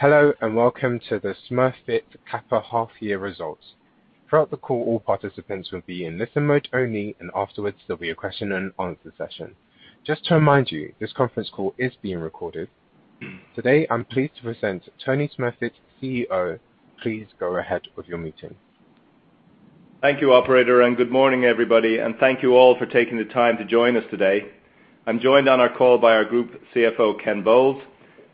Hello and welcome to the Smurfit Kappa half-year results. Throughout the call, all participants will be in listen mode only, and afterwards there'll be a question-and-answer session. Just to remind you, this conference call is being recorded. Today, I'm pleased to present Tony Smurfit, CEO. Please go ahead with your meeting. Thank you, Operator, and good morning, everybody. Thank you all for taking the time to join us today. I'm joined on our call by our Group CFO, Ken Bowles.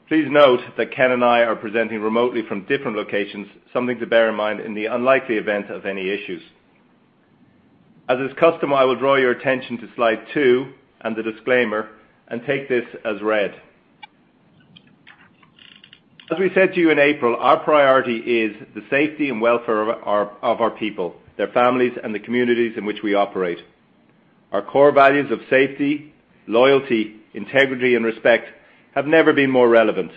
Please note that Ken and I are presenting remotely from different locations, something to bear in mind in the unlikely event of any issues. As is customary, I will draw your attention to slide 2 and the disclaimer and take this as read. As we said to you in April, our priority is the safety and welfare of our people, their families, and the communities in which we operate. Our core values of safety, loyalty, integrity, and respect have never been more relevant.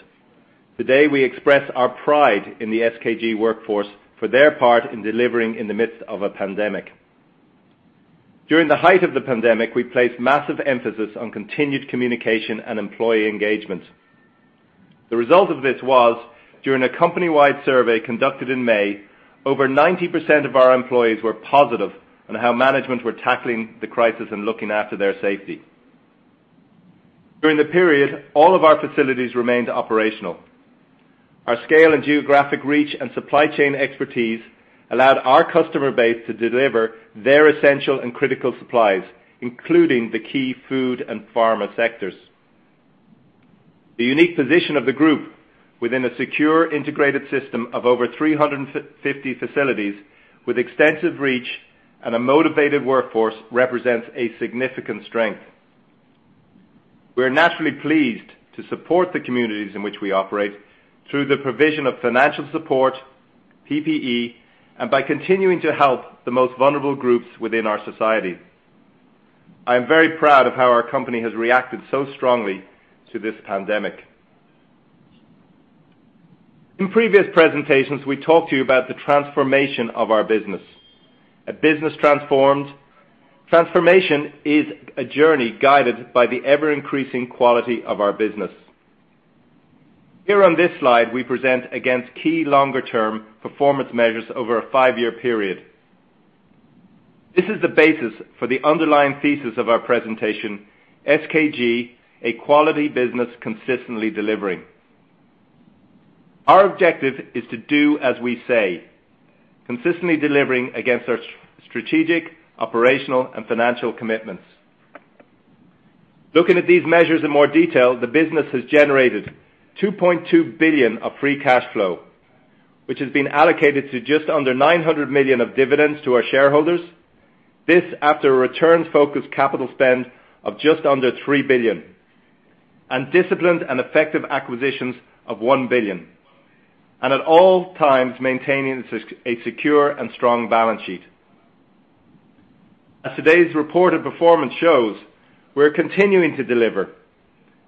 Today, we express our pride in the SKG workforce for their part in delivering in the midst of a pandemic. During the height of the pandemic, we placed massive emphasis on continued communication and employee engagement. The result of this was, during a company-wide survey conducted in May, over 90% of our employees were positive on how management were tackling the crisis and looking after their safety. During the period, all of our facilities remained operational. Our scale and geographic reach and supply chain expertise allowed our customer base to deliver their essential and critical supplies, including the key food and pharma sectors. The unique position of the Group within a secure, integrated system of over 350 facilities with extensive reach and a motivated workforce represents a significant strength. We're naturally pleased to support the communities in which we operate through the provision of financial support, PPE, and by continuing to help the most vulnerable groups within our society. I am very proud of how our company has reacted so strongly to this pandemic. In previous presentations, we talked to you about the transformation of our business. A business transformed transformation is a journey guided by the ever-increasing quality of our business. Here on this slide, we present against key longer-term performance measures over a five-year period. This is the basis for the underlying thesis of our presentation, SKG, a quality business consistently delivering. Our objective is to do as we say, consistently delivering against our strategic, operational, and financial commitments. Looking at these measures in more detail, the business has generated 2.2 billion of free cash flow, which has been allocated to just under 900 million of dividends to our shareholders, this after a return-focused capital spend of just under 3 billion, and disciplined and effective acquisitions of 1 billion, and at all times maintaining a secure and strong balance sheet. As today's reported performance shows, we're continuing to deliver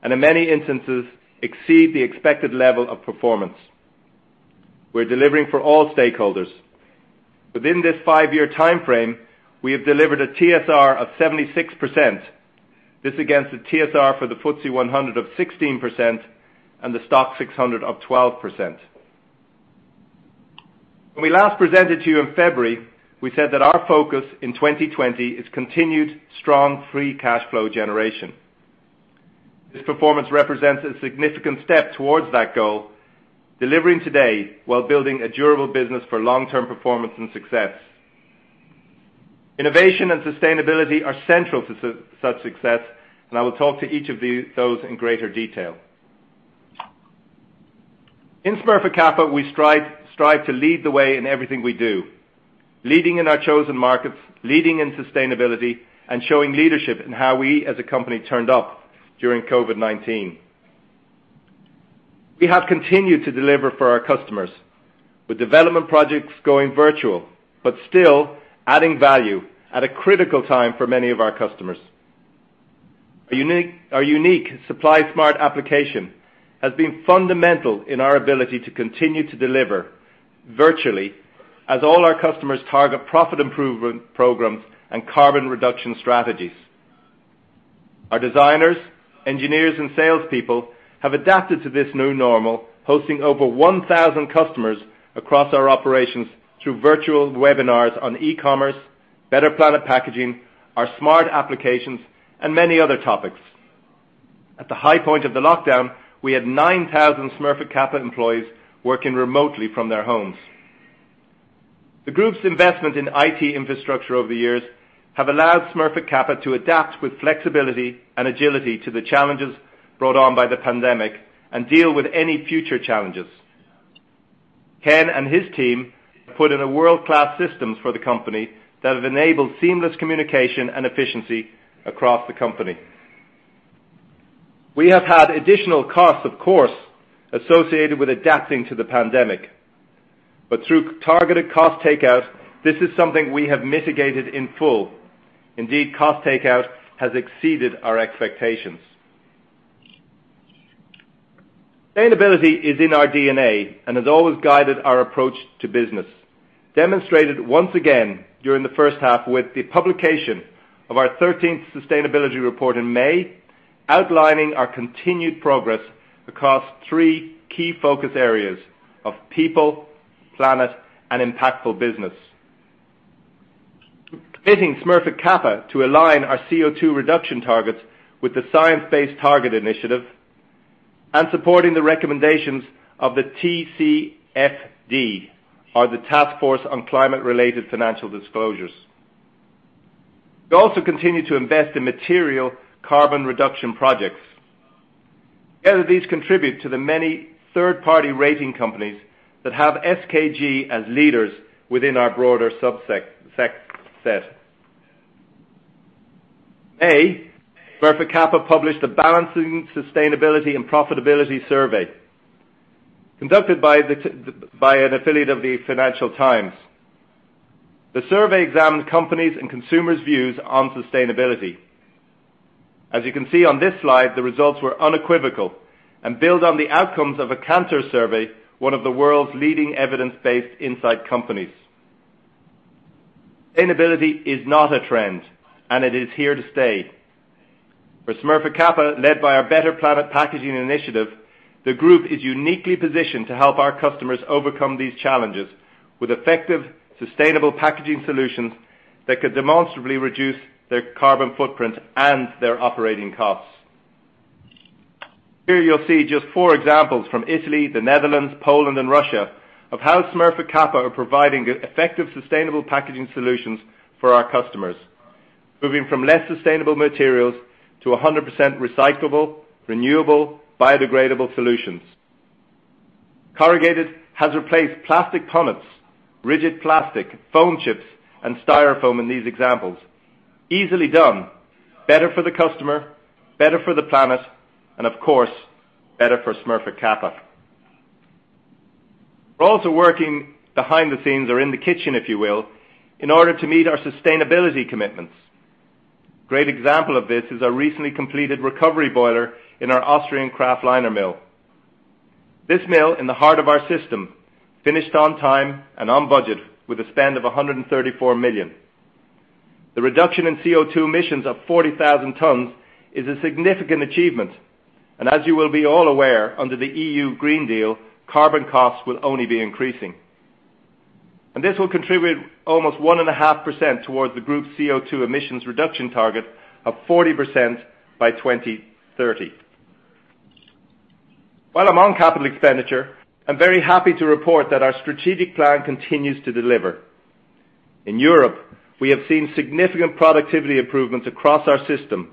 and in many instances exceed the expected level of performance. We're delivering for all stakeholders. Within this five-year timeframe, we have delivered a TSR of 76%, this against a TSR for the FTSE 100 of 16% and the STOXX 600 of 12%. When we last presented to you in February, we said that our focus in 2020 is continued strong free cash flow generation. This performance represents a significant step towards that goal, delivering today while building a durable business for long-term performance and success. Innovation and sustainability are central to such success, and I will talk to each of those in greater detail. In Smurfit Kappa, we strive to lead the way in everything we do, leading in our chosen markets, leading in sustainability, and showing leadership in how we as a company turned up during COVID-19. We have continued to deliver for our customers with development projects going virtual, but still adding value at a critical time for many of our customers. Our unique SupplySmart application has been fundamental in our ability to continue to deliver virtually as all our customers target profit improvement programs and carbon reduction strategies. Our designers, engineers, and salespeople have adapted to this new normal, hosting over 1,000 customers across our operations through virtual webinars on e-commerce, Better Planet Packaging, our smart applications, and many other topics. At the high point of the lockdown, we had 9,000 Smurfit Kappa employees working remotely from their homes. The Group's investment in IT infrastructure over the years has allowed Smurfit Kappa to adapt with flexibility and agility to the challenges brought on by the pandemic and deal with any future challenges. Ken and his team have put in a world-class system for the company that has enabled seamless communication and efficiency across the company. We have had additional costs, of course, associated with adapting to the pandemic, but through targeted cost takeout, this is something we have mitigated in full. Indeed, cost takeout has exceeded our expectations. Sustainability is in our DNA and has always guided our approach to business, demonstrated once again during the first half with the publication of our 13th sustainability report in May, outlining our continued progress across three key focus areas of people, planet, and impactful business. Committing Smurfit Kappa to align our CO2 reduction targets with the Science Based Targets initiative and supporting the recommendations of the TCFD, or the Task Force on Climate-Related Financial Disclosures. We also continue to invest in material carbon reduction projects. Together, these contribute to the many third-party rating companies that have SKG as leaders within our broader subset. In May, Smurfit Kappa published the Balancing Sustainability and Profitability Survey, conducted by an affiliate of the Financial Times. The survey examined companies' and consumers' views on sustainability. As you can see on this slide, the results were unequivocal and build on the outcomes of a Kantar survey, one of the world's leading evidence-based insight companies. Sustainability is not a trend, and it is here to stay. For Smurfit Kappa, led by our Better Planet Packaging initiative, the Group is uniquely positioned to help our customers overcome these challenges with effective, sustainable packaging solutions that could demonstrably reduce their carbon footprint and their operating costs. Here you'll see just four examples from Italy, the Netherlands, Poland, and Russia of how Smurfit Kappa are providing effective sustainable packaging solutions for our customers, moving from less sustainable materials to 100% recyclable, renewable, biodegradable solutions. Corrugated has replaced plastic punnets, rigid plastic, foam chips, and Styrofoam in these examples. Easily done, better for the customer, better for the planet, and of course, better for Smurfit Kappa. We're also working behind the scenes or in the kitchen, if you will, in order to meet our sustainability commitments. A great example of this is our recently completed recovery boiler in our Austrian Kraftliner mill. This mill, in the heart of our system, finished on time and on budget with a spend of 134 million. The reduction in CO2 emissions of 40,000 tons is a significant achievement, and as you will be all aware, under the E.U. Green Deal, carbon costs will only be increasing. This will contribute almost 1.5% towards the Group's CO2 emissions reduction target of 40% by 2030. While I'm on capital expenditure, I'm very happy to report that our strategic plan continues to deliver. In Europe, we have seen significant productivity improvements across our system,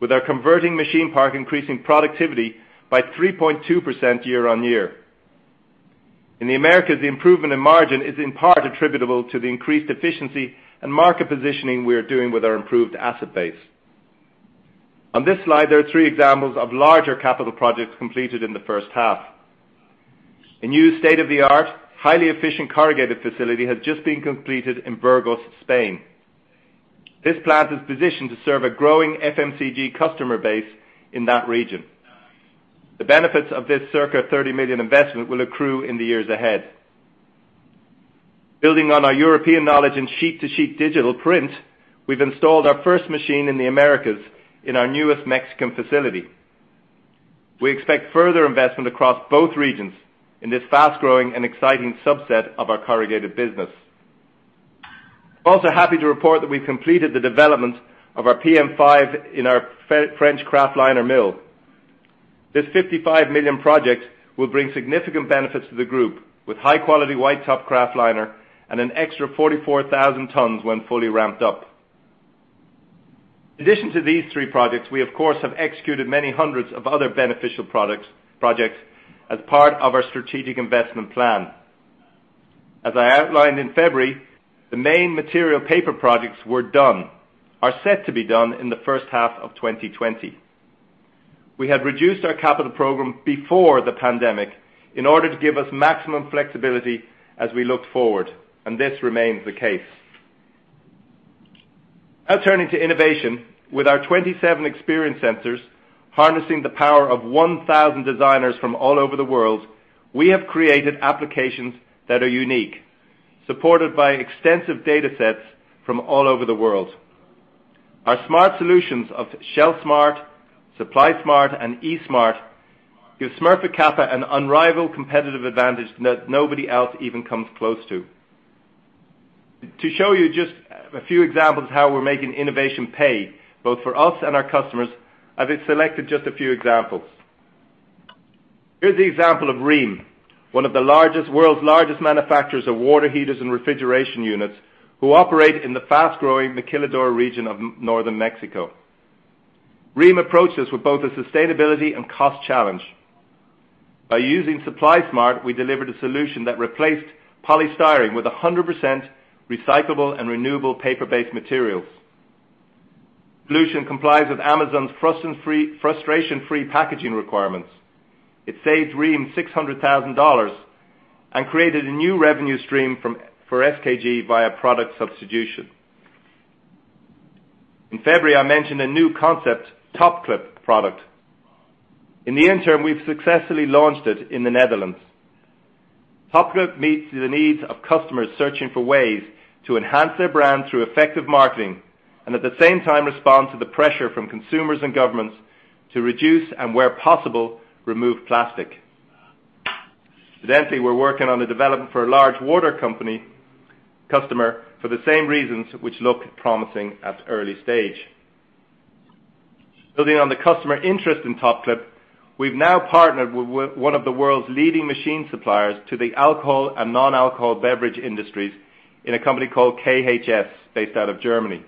with our converting machine park increasing productivity by 3.2% year-on-year. In the Americas, the improvement in margin is in part attributable to the increased efficiency and market positioning we are doing with our improved asset base. On this slide, there are three examples of larger capital projects completed in the first half. A new state-of-the-art, highly efficient corrugated facility has just been completed in Burgos, Spain. This plant is positioned to serve a growing FMCG customer base in that region. The benefits of this circa 30 million investment will accrue in the years ahead. Building on our European knowledge in sheet-to-sheet digital print, we've installed our first machine in the Americas in our newest Mexican facility. We expect further investment across both regions in this fast-growing and exciting subset of our corrugated business. I'm also happy to report that we've completed the development of our PM5 in our French Kraftliner mill. This 55 million project will bring significant benefits to the Group, with high-quality white-top Kraftliner and an extra 44,000 tons when fully ramped up. In addition to these three projects, we, of course, have executed many hundreds of other beneficial projects as part of our strategic investment plan. As I outlined in February, the main material paper projects were done, are set to be done in the first half of 2020. We had reduced our capital program before the pandemic in order to give us maximum flexibility as we looked forward, and this remains the case. Now turning to innovation, with our 27 experience centers harnessing the power of 1,000 designers from all over the world, we have created applications that are unique, supported by extensive data sets from all over the world. Our smart solutions of ShelfSmart, SupplySmart, and eSmart give Smurfit Kappa an unrivaled competitive advantage that nobody else even comes close to. To show you just a few examples of how we're making innovation pay both for us and our customers, I've selected just a few examples. Here's the example of Rheem, one of the world's largest manufacturers of water heaters and refrigeration units who operate in the fast-growing Maquiladora region of northern Mexico. Rheem approached us with both a sustainability and cost challenge. By using SupplySmart, we delivered a solution that replaced polystyrene with 100% recyclable and renewable paper-based materials. The solution complies with Amazon's frustration-free packaging requirements. It saved Rheem $600,000 and created a new revenue stream for SKG via product substitution. In February, I mentioned a new concept, TopClip product. In the interim, we've successfully launched it in the Netherlands. TopClip meets the needs of customers searching for ways to enhance their brand through effective marketing and at the same time respond to the pressure from consumers and governments to reduce and, where possible, remove plastic. Incidentally, we're working on the development for a large water company customer for the same reasons which look promising at early stage. Building on the customer interest in TopClip, we've now partnered with one of the world's leading machine suppliers to the alcohol and non-alcohol beverage industries in a company called KHS, based out of Germany.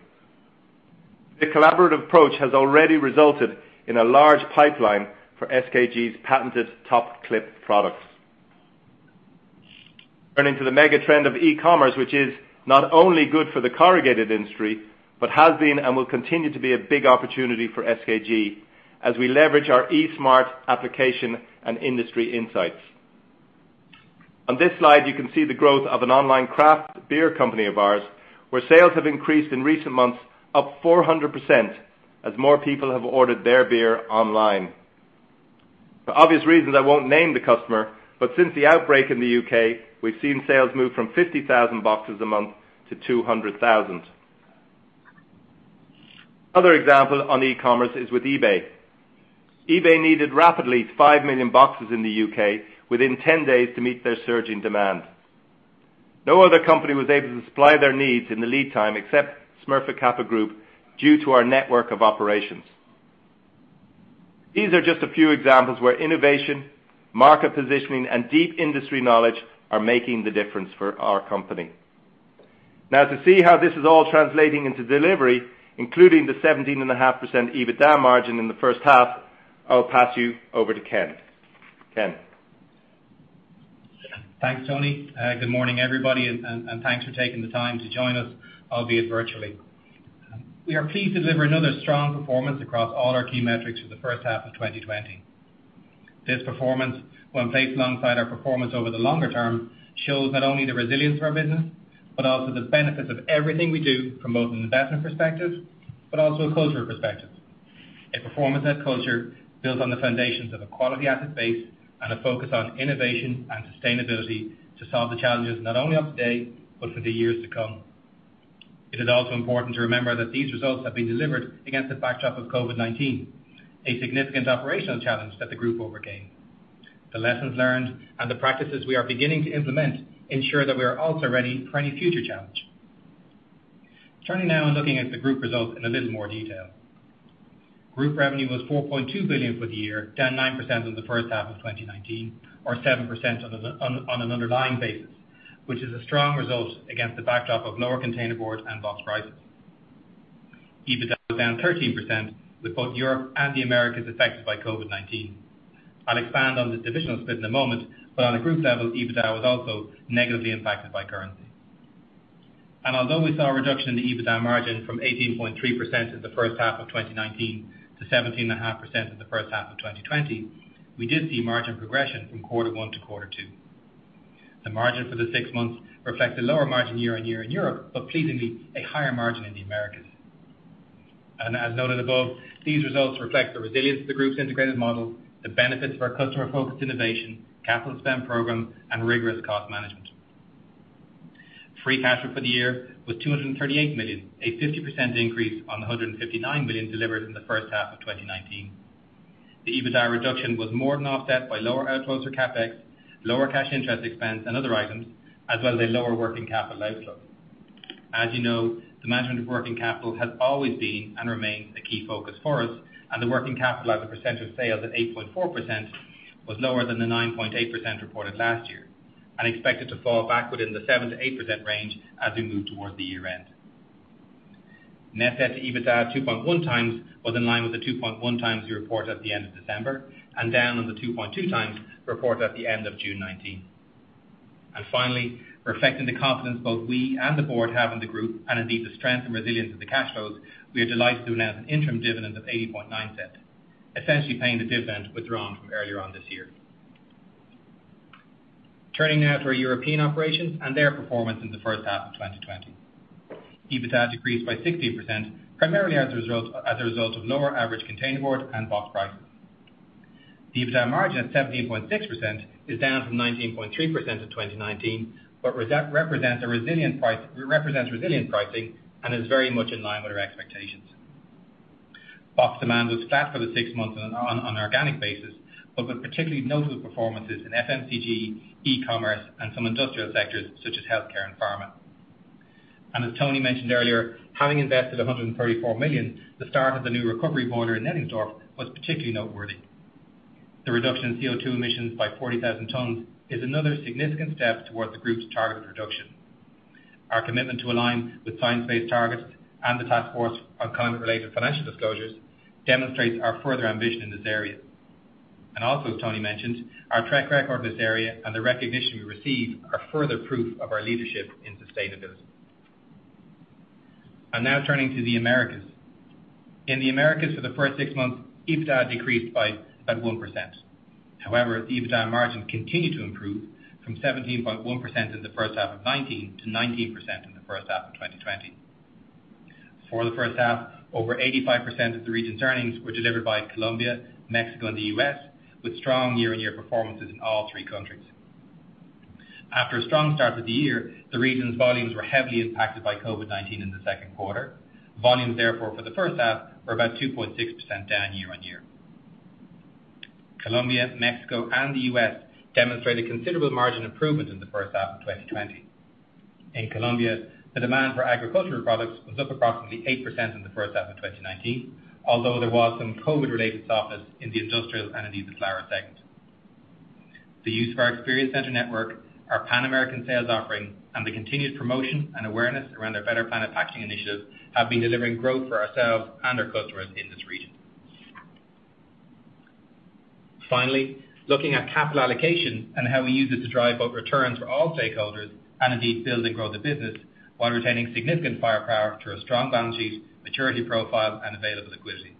The collaborative approach has already resulted in a large pipeline for SKG's patented TopClip products. Turning to the mega trend of e-commerce, which is not only good for the corrugated industry but has been and will continue to be a big opportunity for SKG as we leverage our eSmart application and industry insights. On this slide, you can see the growth of an online craft beer company of ours, where sales have increased in recent months up 400% as more people have ordered their beer online. For obvious reasons, I won't name the customer, but since the outbreak in the U.K., we've seen sales move from 50,000 boxes a month to 200,000. Another example on e-commerce is with eBay. eBay needed rapidly 5,000,000 boxes in the U.K. within 10 days to meet their surging demand. No other company was able to supply their needs in the lead time except Smurfit Kappa Group due to our network of operations. These are just a few examples where innovation, market positioning, and deep industry knowledge are making the difference for our company. Now, to see how this is all translating into delivery, including the 17.5% EBITDA margin in the first half, I'll pass you over to Ken. Ken. Thanks, Tony. Good morning, everybody, and thanks for taking the time to join us, albeit virtually. We are pleased to deliver another strong performance across all our key metrics for the first half of 2020. This performance, when placed alongside our performance over the longer term, shows not only the resilience of our business but also the benefits of everything we do from both an investment perspective but also a culture perspective. A performance-led culture built on the foundations of a quality asset base and a focus on innovation and sustainability to solve the challenges not only of today but for the years to come. It is also important to remember that these results have been delivered against the backdrop of COVID-19, a significant operational challenge that the Group overcame. The lessons learned and the practices we are beginning to implement ensure that we are also ready for any future challenge. Turning now and looking at the Group results in a little more detail. Group revenue was 4.2 billion for the year, down 9% in the first half of 2019, or 7% on an underlying basis, which is a strong result against the backdrop of lower containerboard and box prices. EBITDA was down 13%, with both Europe and the Americas affected by COVID-19. I'll expand on the divisional split in a moment, but on a Group level, EBITDA was also negatively impacted by currency. Although we saw a reduction in the EBITDA margin from 18.3% in the first half of 2019 to 17.5% in the first half of 2020, we did see margin progression from quarter one to quarter two. The margin for the six months reflects a lower margin year on year in Europe but, pleasingly, a higher margin in the Americas. As noted above, these results reflect the resilience of the Group's integrated model, the benefits of our customer-focused innovation, capital spend program, and rigorous cost management. Free cash flow for the year was 238 million, a 50% increase on the 159 million delivered in the first half of 2019. The EBITDA reduction was more than offset by lower outflows for CapEx, lower cash interest expense, and other items, as well as a lower working capital outflow. As you know, the management of working capital has always been and remains a key focus for us, and the working capital as a percent of sales at 8.4% was lower than the 9.8% reported last year and expected to fall back within the 7%-8% range as we move towards the year-end. Net debt to EBITDA at 2.1x was in line with the 2.1x we reported at the end of December and down on the 2.2x reported at the end of June 2019. Finally, reflecting the confidence both we and the board have in the Group and indeed the strength and resilience of the cash flows, we are delighted to announce an interim dividend of 0.809, essentially paying the dividend withdrawn from earlier on this year. Turning now to our European operations and their performance in the first half of 2020. EBITDA decreased by 16%, primarily as a result of lower average containerboard and box prices. The EBITDA margin at 17.6% is down from 19.3% in 2019 but represents resilient pricing and is very much in line with our expectations. Box demand was flat for the six months on an organic basis but with particularly notable performances in FMCG, e-commerce, and some industrial sectors such as healthcare and pharma. As Tony mentioned earlier, having invested 134 million, the start of the new recovery boiler in Nettingsdorf was particularly noteworthy. The reduction in CO2 emissions by 40,000 tons is another significant step towards the Group's targeted reduction. Our commitment to align with science-based targets and the task force on climate-related financial disclosures demonstrates our further ambition in this area. Also, as Tony mentioned, our track record in this area and the recognition we receive are further proof of our leadership in sustainability. Now turning to the Americas. In the Americas, for the first six months, EBITDA decreased by about 1%. However, the EBITDA margin continued to improve from 17.1% in the first half of 2019 to 19% in the first half of 2020. For the first half, over 85% of the region's earnings were delivered by Colombia, Mexico, and the US, with strong year-on-year performances in all three countries. After a strong start to the year, the region's volumes were heavily impacted by COVID-19 in the second quarter. Volumes, therefore, for the first half were about 2.6% down year-on-year. Colombia, Mexico, and the US demonstrated considerable margin improvement in the first half of 2020. In Colombia, the demand for agricultural products was up approximately 8% in the first half of 2019, although there was some COVID-related softness in the industrial and indeed the flower segment. The use of our experience center network, our Pan-American sales offering, and the continued promotion and awareness around our Better Planet Packaging initiative have been delivering growth for ourselves and our customers in this region. Finally, looking at capital allocation and how we use it to drive both returns for all stakeholders and indeed build and grow the business while retaining significant firepower through a strong balance sheet, maturity profile, and available liquidity.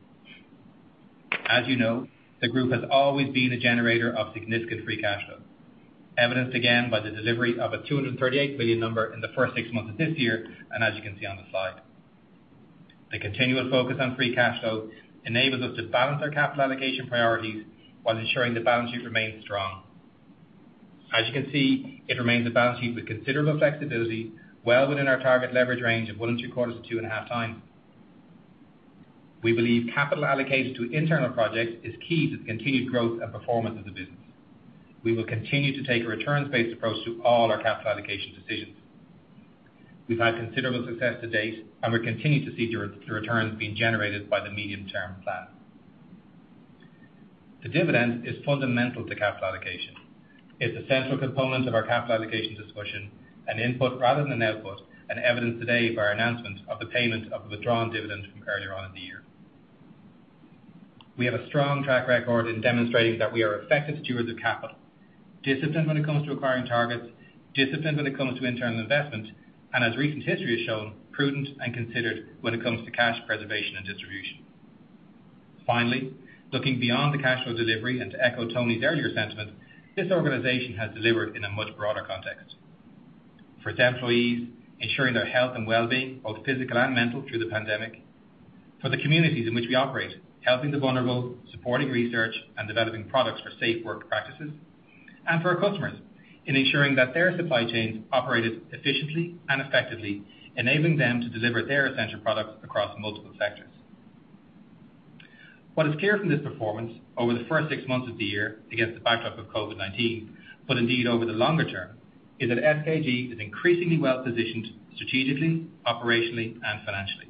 As you know, the Group has always been a generator of significant free cash flow, evidenced again by the delivery of 238 million in the first six months of this year and as you can see on the slide. The continual focus on free cash flow enables us to balance our capital allocation priorities while ensuring the balance sheet remains strong. As you can see, it remains a balance sheet with considerable flexibility, well within our target leverage range of 1.75x-2.5x. We believe capital allocated to internal projects is key to the continued growth and performance of the business. We will continue to take a returns-based approach to all our capital allocation decisions. We've had considerable success to date, and we're continuing to see the returns being generated by the medium-term plan. The dividend is fundamental to capital allocation. It's a central component of our capital allocation discussion, an input rather than an output, and evidenced today by our announcement of the payment of the withdrawn dividend from earlier on in the year. We have a strong track record in demonstrating that we are effective stewards of capital, disciplined when it comes to acquiring targets, disciplined when it comes to internal investment, and, as recent history has shown, prudent and considered when it comes to cash preservation and distribution. Finally, looking beyond the cash flow delivery and to echo Tony's earlier sentiment, this organization has delivered in a much broader context. For its employees, ensuring their health and well-being, both physical and mental, through the pandemic. For the communities in which we operate, helping the vulnerable, supporting research and developing products for safe work practices. And for our customers, in ensuring that their supply chains operated efficiently and effectively, enabling them to deliver their essential products across multiple sectors. What is clear from this performance over the first six months of the year against the backdrop of COVID-19, but indeed over the longer term, is that SKG is increasingly well-positioned strategically, operationally, and financially.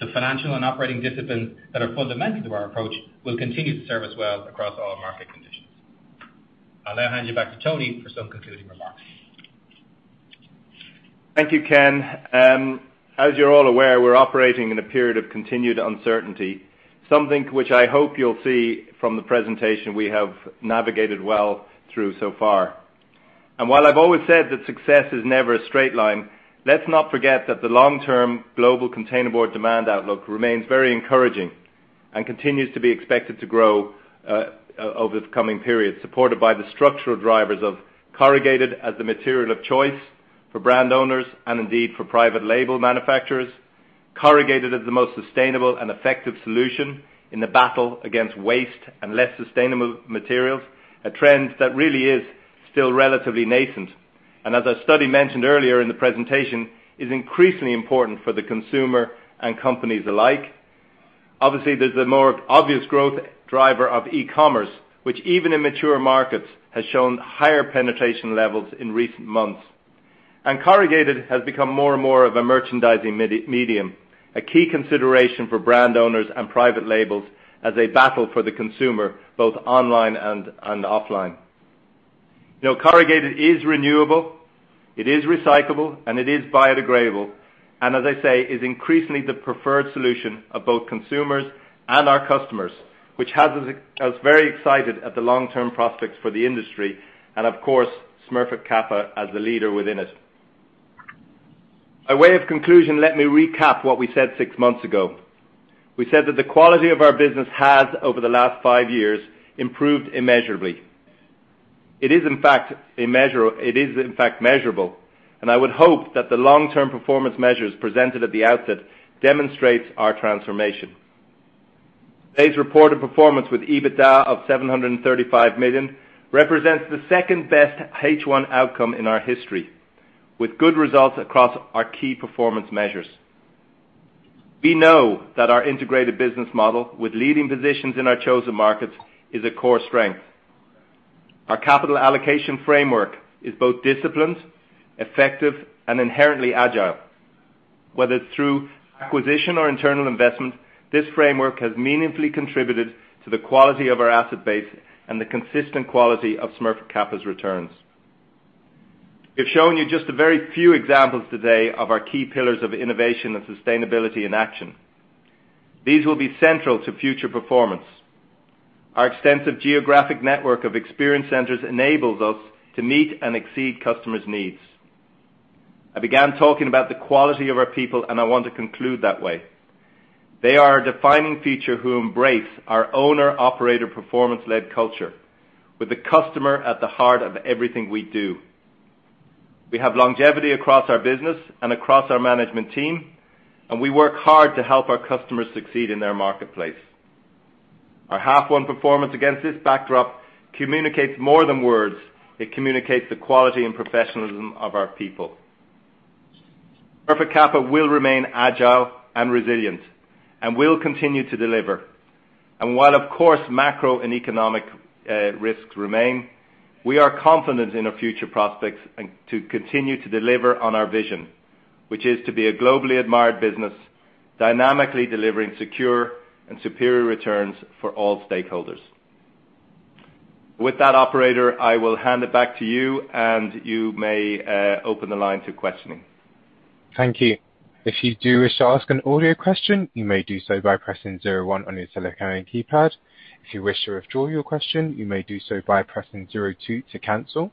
The financial and operating disciplines that are fundamental to our approach will continue to serve us well across all market conditions. I'll now hand you back to Tony for some concluding remarks. Thank you, Ken. As you're all aware, we're operating in a period of continued uncertainty, something which I hope you'll see from the presentation we have navigated well through so far. And while I've always said that success is never a straight line, let's not forget that the long-term global containerboard demand outlook remains very encouraging and continues to be expected to grow over the coming period, supported by the structural drivers of corrugated as the material of choice for brand owners and indeed for private label manufacturers, corrugated as the most sustainable and effective solution in the battle against waste and less sustainable materials, a trend that really is still relatively nascent and, as our study mentioned earlier in the presentation, is increasingly important for the consumer and companies alike. Obviously, there's the more obvious growth driver of e-commerce, which even in mature markets has shown higher penetration levels in recent months. And corrugated has become more and more of a merchandising medium, a key consideration for brand owners and private labels as they battle for the consumer both online and offline. Corrugated is renewable, it is recyclable, and it is biodegradable, and as I say, is increasingly the preferred solution of both consumers and our customers, which has us very excited at the long-term prospects for the industry and, of course, Smurfit Kappa as the leader within it. By way of conclusion, let me recap what we said six months ago. We said that the quality of our business has over the last five years improved immeasurably. It is, in fact, measurable, and I would hope that the long-term performance measures presented at the outset demonstrate our transformation. Today's reported performance with EBITDA of 735 million represents the second-best H1 outcome in our history, with good results across our key performance measures. We know that our integrated business model with leading positions in our chosen markets is a core strength. Our capital allocation framework is both disciplined, effective, and inherently agile. Whether it's through acquisition or internal investment, this framework has meaningfully contributed to the quality of our asset base and the consistent quality of Smurfit Kappa's returns. We've shown you just a very few examples today of our key pillars of innovation and sustainability in action. These will be central to future performance. Our extensive geographic network of experience centers enables us to meet and exceed customers' needs. I began talking about the quality of our people, and I want to conclude that way. They are our defining feature who embrace our owner-operator performance-led culture, with the customer at the heart of everything we do. We have longevity across our business and across our management team, and we work hard to help our customers succeed in their marketplace. Our H1 performance against this backdrop communicates more than words. It communicates the quality and professionalism of our people. Smurfit Kappa will remain agile and resilient and will continue to deliver. And while, of course, macro and economic risks remain, we are confident in our future prospects to continue to deliver on our vision, which is to be a globally admired business, dynamically delivering secure and superior returns for all stakeholders. With that, Operator, I will hand it back to you, and you may open the line to questioning. Thank you. If you do wish to ask an audio question, you may do so by pressing 01 on your telephone keypad. If you wish to withdraw your question, you may do so by pressing 02 to cancel.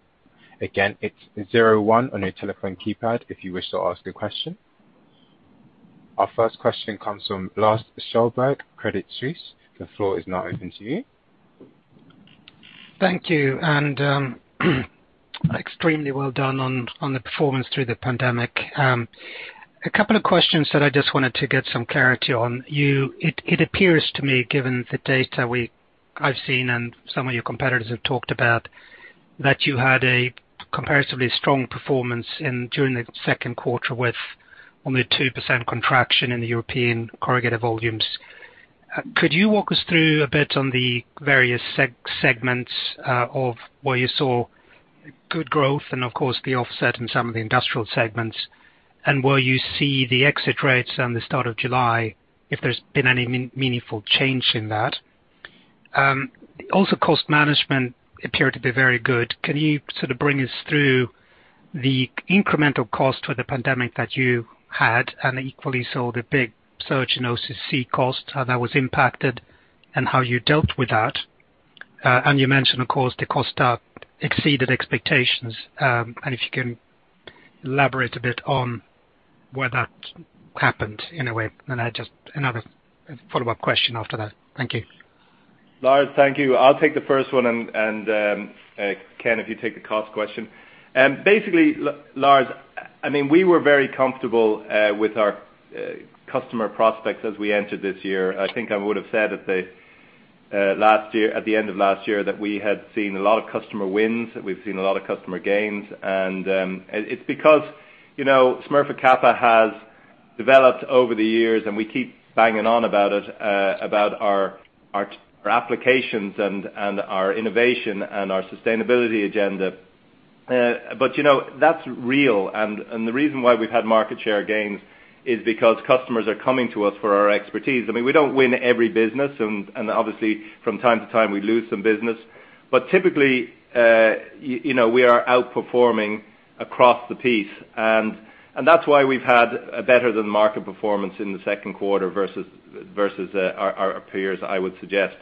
Again, it's 01 on your telephone keypad if you wish to ask a question. Our first question comes from Lars Kjellberg, Credit Suisse. The floor is now open to you. Thank you. Extremely well done on the performance through the pandemic. A couple of questions that I just wanted to get some clarity on. It appears to me, given the data I've seen and some of your competitors have talked about, that you had a comparatively strong performance during the second quarter with only a 2% contraction in the European corrugated volumes. Could you walk us through a bit on the various segments of where you saw good growth and, of course, the offset in some of the industrial segments, and where you see the exit rates and the start of July, if there's been any meaningful change in that? Also, cost management appeared to be very good. Can you sort of bring us through the incremental cost for the pandemic that you had and equally so the big surge in OCC costs that was impacted and how you dealt with that? And you mentioned, of course, the costs that exceeded expectations. And if you can elaborate a bit on where that happened in a way, then I just have another follow-up question after that. Thank you. Lars, thank you. I'll take the first one, and Ken, if you take the cost question. Basically, Lars, I mean, we were very comfortable with our customer prospects as we entered this year. I think I would have said at the end of last year that we had seen a lot of customer wins, that we've seen a lot of customer gains. And it's because Smurfit Kappa has developed over the years, and we keep banging on about our applications and our innovation and our sustainability agenda. But that's real. And the reason why we've had market share gains is because customers are coming to us for our expertise. I mean, we don't win every business, and obviously, from time to time, we lose some business. But typically, we are outperforming across the piece, and that's why we've had a better-than-market performance in the second quarter versus our peers, I would suggest.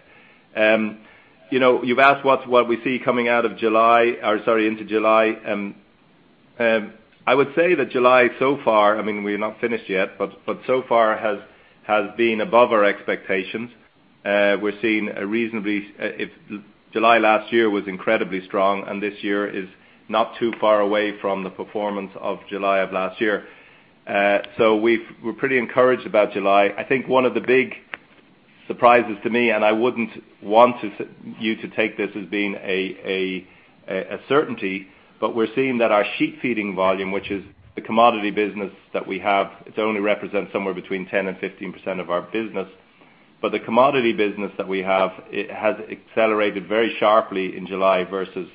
You've asked what we see coming out of July or, sorry, into July. I would say that July so far, I mean, we're not finished yet, but so far has been above our expectations. We're seeing a reasonably, July last year was incredibly strong, and this year is not too far away from the performance of July of last year. So we're pretty encouraged about July. I think one of the big surprises to me, and I wouldn't want you to take this as being a certainty, but we're seeing that our sheet feeding volume, which is the commodity business that we have, it only represents somewhere between 10% and 15% of our business. But the commodity business that we have has accelerated very sharply in July versus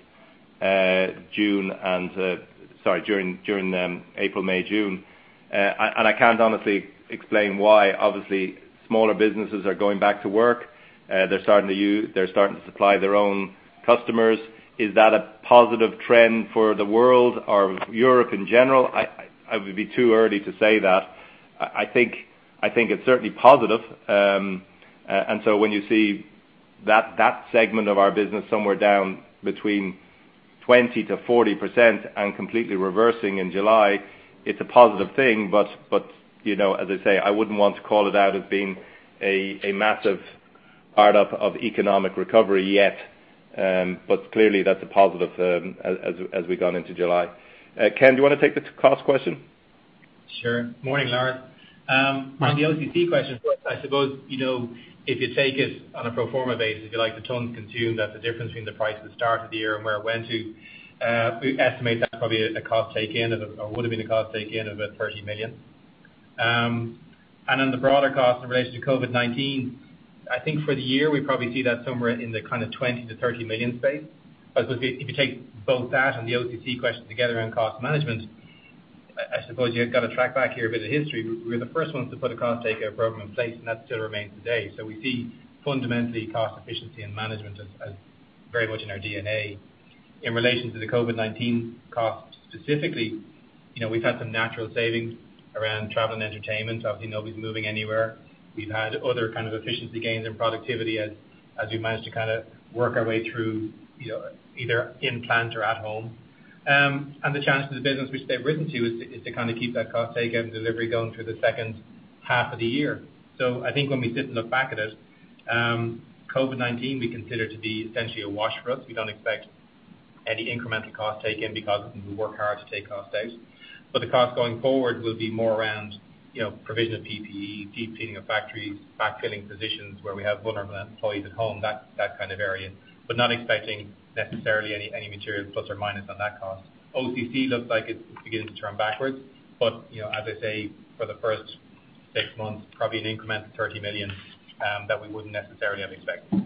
June and, sorry, during April, May, June. And I can't honestly explain why. Obviously, smaller businesses are going back to work. They're starting to supply their own customers. Is that a positive trend for the world or Europe in general? It would be too early to say that. I think it's certainly positive. And so when you see that segment of our business somewhere down between 20%-40% and completely reversing in July, it's a positive thing. But as I say, I wouldn't want to call it out as being a massive startup of economic recovery yet, but clearly, that's a positive as we've gone into July. Ken, do you want to take the cost question? Sure. Morning, Lars. On the OCC question, I suppose if you take it on a pro forma basis, if you like, the tons consumed, that's the difference between the price at the start of the year and where it went to. We estimate that's probably a cost take-in or would have been a cost take-in of about 30 million. And on the broader cost in relation to COVID-19, I think for the year, we probably see that somewhere in the kind of 20 million-30 million space. I suppose if you take both that and the OCC question together and cost management, I suppose you've got to track back here a bit of history. We were the first ones to put a cost take-in program in place, and that still remains today. So we see fundamentally cost efficiency and management as very much in our DNA. In relation to the COVID-19 cost specifically, we've had some natural savings around travel and entertainment. Obviously, nobody's moving anywhere. We've had other kinds of efficiency gains and productivity as we've managed to kind of work our way through either in plant or at home. The challenge to the business we've written to is to kind of keep that cost take-in delivery going through the second half of the year. I think when we sit and look back at it, COVID-19 we consider to be essentially a wash for us. We don't expect any incremental cost take-in because we work hard to take cost out. But the cost going forward will be more around provision of PPE, sheet feeding of factories, backfilling positions where we have vulnerable employees at home, that kind of area, but not expecting necessarily any material plus or minus on that cost. OCC looks like it's beginning to turn backwards, but as I say, for the first six months, probably an increment of 30 million that we wouldn't necessarily have expected.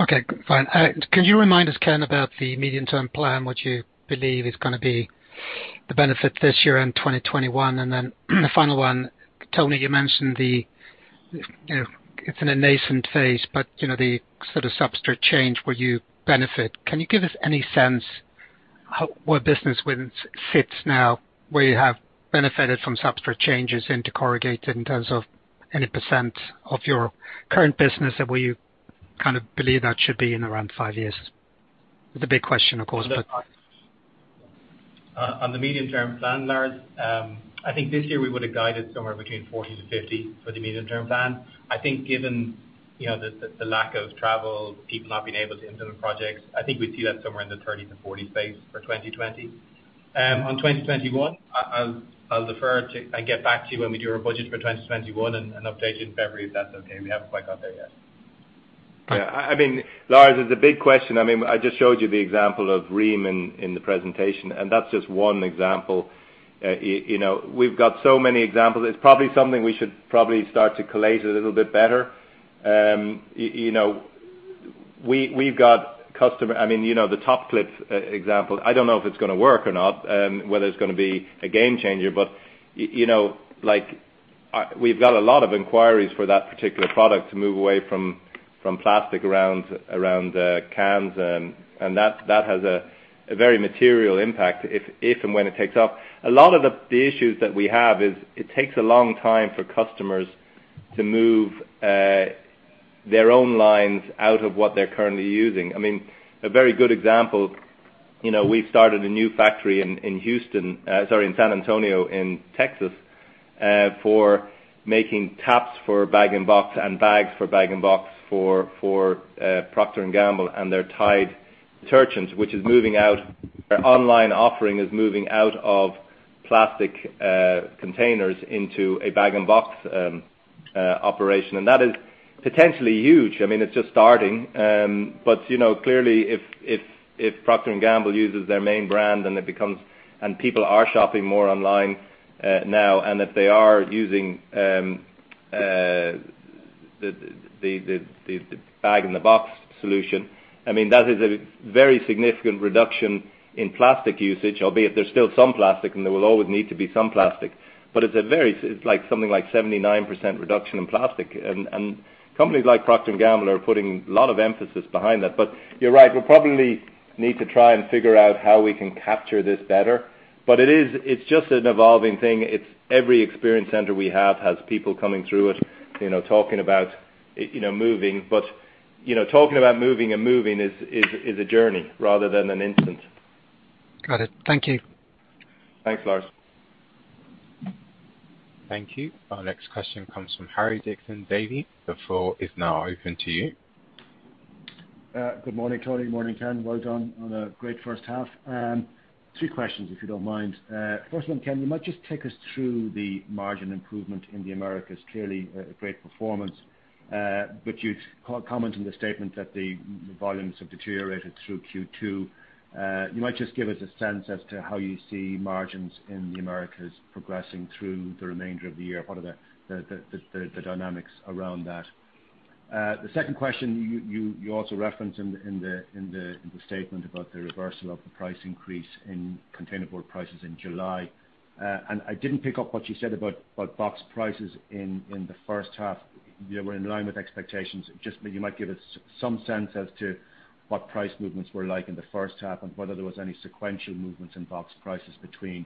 Okay. Fine. Can you remind us, Ken, about the medium-term plan, what you believe is going to be the benefit this year and 2021? And then the final one, Tony, you mentioned it's in a nascent phase, but the sort of substrate change where you benefit. Can you give us any sense where business sits now where you have benefited from substrate changes into corrugated in terms of any % of your current business and where you kind of believe that should be in around five years? It's a big question, of course, but. On the medium-term plan, Lars, I think this year we would have guided somewhere between 40-50 for the medium-term plan. I think given the lack of travel, people not being able to implement projects, I think we'd see that somewhere in the 30-40 space for 2020. On 2021, I'll defer to. I'll get back to you when we do our budget for 2021 and update it in February if that's okay. We haven't quite got there yet. Yeah. I mean, Lars, it's a big question. I mean, I just showed you the example of Rheem in the presentation, and that's just one example. We've got so many examples. It's probably something we should probably start to collate a little bit better. We've got customer, I mean, the TopClip example, I don't know if it's going to work or not, whether it's going to be a game changer, but we've got a lot of inquiries for that particular product to move away from plastic around cans, and that has a very material impact if and when it takes off. A lot of the issues that we have is it takes a long time for customers to move their own lines out of what they're currently using. I mean, a very good example, we've started a new factory in Houston, sorry, in San Antonio in Texas, for making taps for bag-in-box and bags for bag-in-box for Procter & Gamble, and their Tide, which is moving out, our online offering is moving out of plastic containers into a bag-in-box operation. And that is potentially huge. I mean, it's just starting. But clearly, if Procter & Gamble uses their main brand and people are shopping more online now, and if they are using the bag-in-box solution, I mean, that is a very significant reduction in plastic usage, albeit there's still some plastic, and there will always need to be some plastic. But it's something like 79% reduction in plastic. And companies like Procter & Gamble are putting a lot of emphasis behind that. But you're right. We'll probably need to try and figure out how we can capture this better. But it's just an evolving thing. Every experience center we have has people coming through it, talking about moving. But talking about moving and moving is a journey rather than an instant. Got it. Thank you. Thanks, Lars. Thank you. Our next question comes from Barry Dixon from Davy. The floor is now open to you. Good morning, Tony. Morning, Ken. Well done on a great first half. Two questions, if you don't mind. First one, Ken, you might just take us through the margin improvement in the Americas. Clearly, a great performance. But you comment on the statement that the volumes have deteriorated through Q2. You might just give us a sense as to how you see margins in the Americas progressing through the remainder of the year, part of the dynamics around that. The second question, you also referenced in the statement about the reversal of the price increase in containerboard prices in July. I didn't pick up what you said about box prices in the first half. They were in line with expectations. Just, you might give us some sense as to what price movements were like in the first half and whether there were any sequential movements in box prices between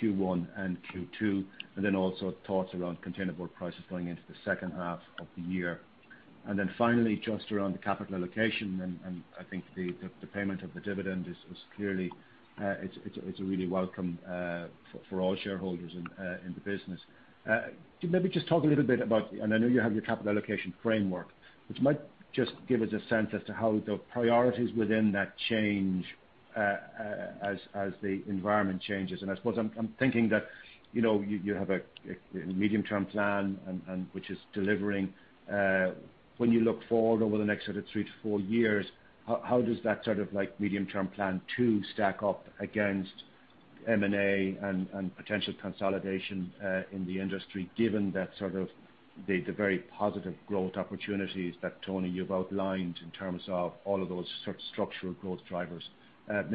Q1 and Q2, and then also thoughts around containerboard prices going into the second half of the year. And then finally, just around the capital allocation, and I think the payment of the dividend is clearly, it's a really welcome for all shareholders in the business. Maybe just talk a little bit about, and I know you have your capital allocation framework, but you might just give us a sense as to how the priorities within that change as the environment changes. And I suppose I'm thinking that you have a medium-term plan which is delivering. When you look forward over the next sort of 3-4 years, how does that sort of medium-term plan stack up against M&A and potential consolidation in the industry, given that sort of the very positive growth opportunities that, Tony, you've outlined in terms of all of those structural growth drivers?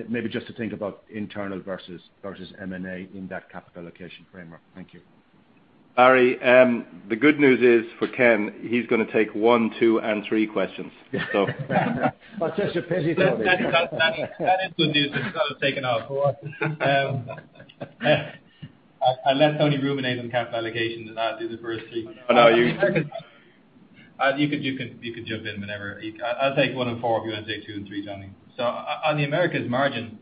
Maybe just to think about internal versus M&A in that capital allocation framework. Thank you. Larry, the good news is for Ken, he's going to take one, two, and three questions. That's such a pity for me. That is good news. This has taken off. I'll let Tony ruminate on capital allocation, and I'll do the first three. No, no. You can jump in whenever. I'll take one and four if you want to take two and three, Tony. So on the Americas margin,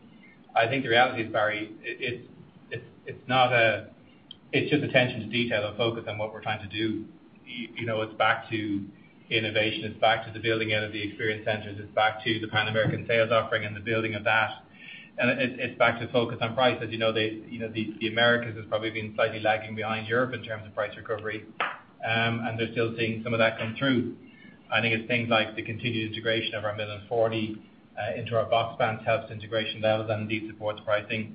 I think the reality is, Barry, it's just attention to detail and focus on what we're trying to do. It's back to innovation. It's back to the building out of the experience centers. It's back to the Pan-American sales offering and the building of that. And it's back to focus on price. As you know, the Americas has probably been slightly lagging behind Europe in terms of price recovery, and they're still seeing some of that come through. I think it's things like the continued integration of our mill in Forney into our box plants helps integration levels and indeed supports pricing.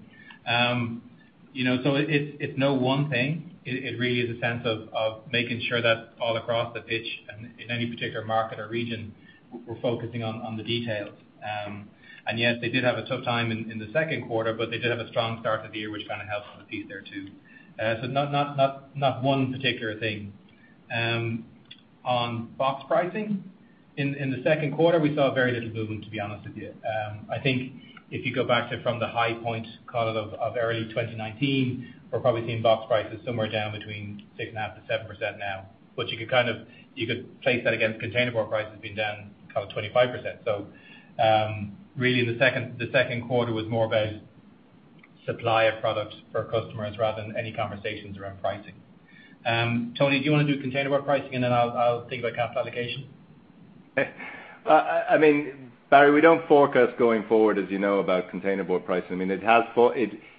So it's no one thing. It really is a sense of making sure that all across the pitch and in any particular market or region, we're focusing on the details. Yes, they did have a tough time in the second quarter, but they did have a strong start to the year, which kind of helps with the piece there too. Not one particular thing. On box pricing, in the second quarter, we saw very little movement, to be honest with you. I think if you go back to from the high point, call it of early 2019, we're probably seeing box prices somewhere down between 6.5%-7% now. But you could kind of place that against containerboard prices being down 25%. So really, the second quarter was more about supply of products for customers rather than any conversations around pricing. Tony, do you want to do containerboard pricing, and then I'll think about capital allocation? I mean, Barry, we don't forecast going forward, as you know, about containerboard pricing. I mean,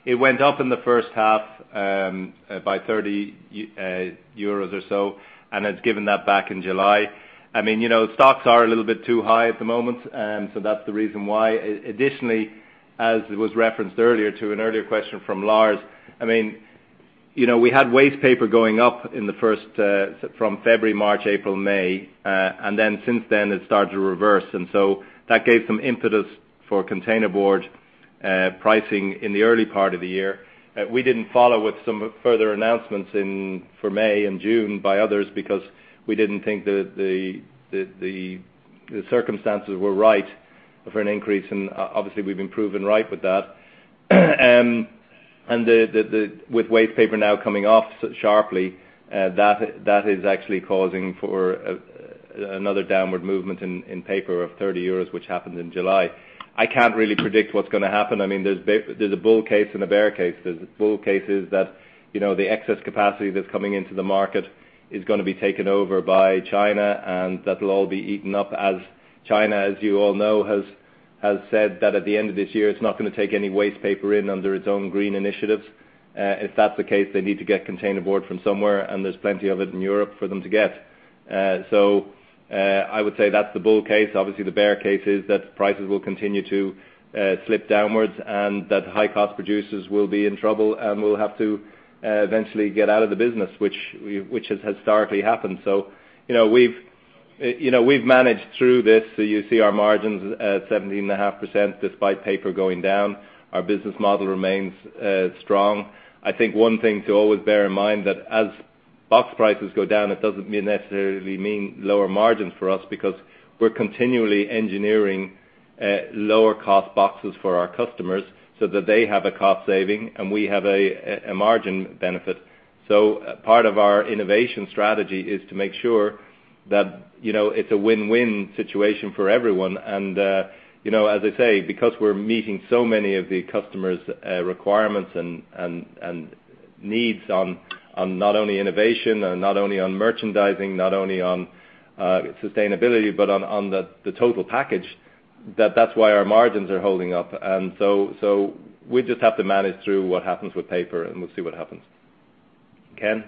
it went up in the first half by 30 euros or so, and it's given that back in July. I mean, stocks are a little bit too high at the moment, so that's the reason why. Additionally, as was referenced earlier to an earlier question from Lars, I mean, we had wastepaper going up in the first from February, March, April, May, and then since then, it started to reverse. And so that gave some impetus for containerboard pricing in the early part of the year. We didn't follow with some further announcements for May and June by others because we didn't think the circumstances were right for an increase. And obviously, we've been proven right with that. And with wastepaper now coming off sharply, that is actually causing for another downward movement in paper of 30 euros, which happened in July. I can't really predict what's going to happen. I mean, there's a bull case and a bear case. There's bull cases that the excess capacity that's coming into the market is going to be taken over by China, and that'll all be eaten up as China, as you all know, has said that at the end of this year, it's not going to take any wastepaper in under its own green initiatives. If that's the case, they need to get containerboard from somewhere, and there's plenty of it in Europe for them to get. So I would say that's the bull case. Obviously, the bear case is that prices will continue to slip downwards and that high-cost producers will be in trouble and will have to eventually get out of the business, which has historically happened. So we've managed through this. So you see our margins at 17.5% despite paper going down. Our business model remains strong. I think one thing to always bear in mind that as box prices go down, it doesn't necessarily mean lower margins for us because we're continually engineering lower-cost boxes for our customers so that they have a cost saving and we have a margin benefit. So part of our innovation strategy is to make sure that it's a win-win situation for everyone. As I say, because we're meeting so many of the customers' requirements and needs on not only innovation and not only on merchandising, not only on sustainability, but on the total package, that's why our margins are holding up. So we just have to manage through what happens with paper, and we'll see what happens. Ken?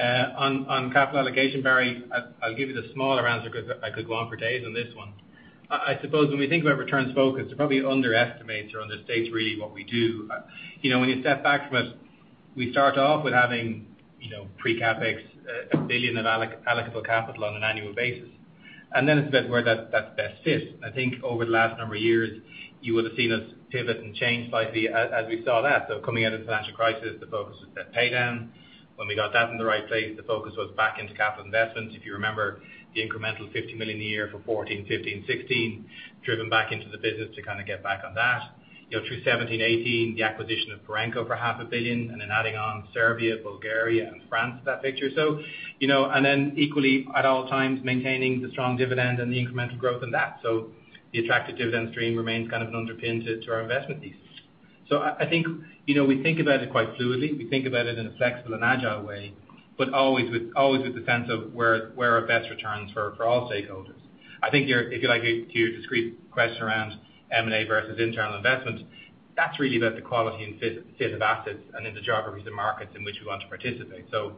On capital allocation, Barry, I'll give you the smaller answer because I could go on for days on this one. I suppose when we think about returns focus, you probably underestimate or understate really what we do. When you step back from it, we start off with having pre-CapEx 1 billion of allocable capital on an annual basis. And then it's a bit where that best fits. I think over the last number of years, you would have seen us pivot and change slightly as we saw that. So coming out of the financial crisis, the focus was debt paydown. When we got that in the right place, the focus was back into capital investments. If you remember, the incremental 50 million a year for 2014, 2015, 2016, driven back into the business to kind of get back on that. Through 2017, 2018, the acquisition of Parenco for 500 million and then adding on Serbia, Bulgaria, and France to that picture. And then equally, at all times, maintaining the strong dividend and the incremental growth in that. So the attractive dividend stream remains kind of an underpin to our investment thesis. So I think we think about it quite fluidly. We think about it in a flexible and agile way, but always with the sense of where are best returns for all stakeholders. I think if you like your discreet question around M&A versus internal investment, that's really about the quality and fit of assets and in the geographies and markets in which we want to participate. So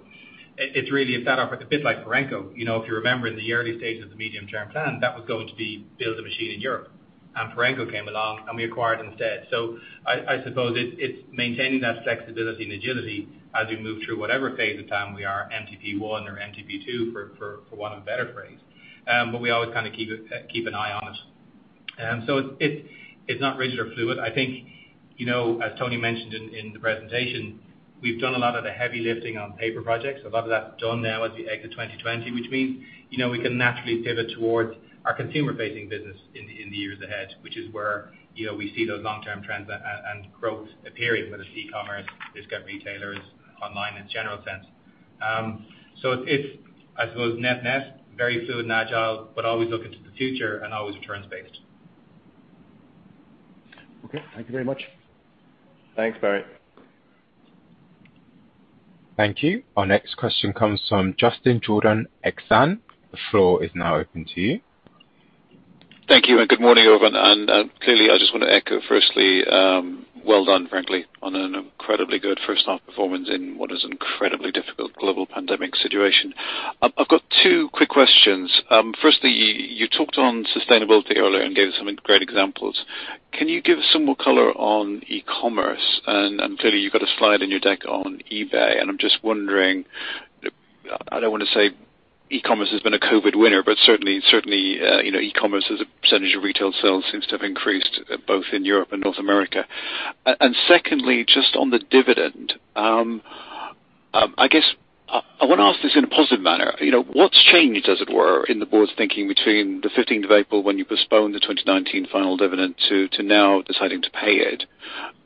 it's really a setup a bit like Parenco. If you remember in the early stages of the medium-term plan, that was going to be build a machine in Europe. Parenco came along, and we acquired instead. I suppose it's maintaining that flexibility and agility as we move through whatever phase of time we are, MTP1 or MTP2, for want of a better phrase. But we always kind of keep an eye on it. So it's not rigid or fluid. I think, as Tony mentioned in the presentation, we've done a lot of the heavy lifting on paper projects. A lot of that's done now as we exit 2020, which means we can naturally pivot towards our consumer-facing business in the years ahead, which is where we see those long-term trends and growth appearing with e-commerce, discount retailers, online in a general sense. So it's, I suppose, net-net, very fluid and agile, but always looking to the future and always returns-based. Okay. Thank you very much. Thanks, Barry. Thank you. Our next question comes from Justin Jordan, Exane. The floor is now open to you. Thank you. And good morning, everyone. And clearly, I just want to echo firstly, well done, frankly, on an incredibly good first-half performance in what is an incredibly difficult global pandemic situation. I've got two quick questions. Firstly, you talked on sustainability earlier and gave some great examples. Can you give us some more color on e-commerce? And clearly, you've got a slide in your deck on eBay. And I'm just wondering, I don't want to say e-commerce has been a COVID winner, but certainly, e-commerce as a percentage of retail sales seems to have increased both in Europe and North America. And secondly, just on the dividend, I guess I want to ask this in a positive manner. What's changed, as it were, in the board's thinking between the 15th of April when you postponed the 2019 final dividend to now deciding to pay it?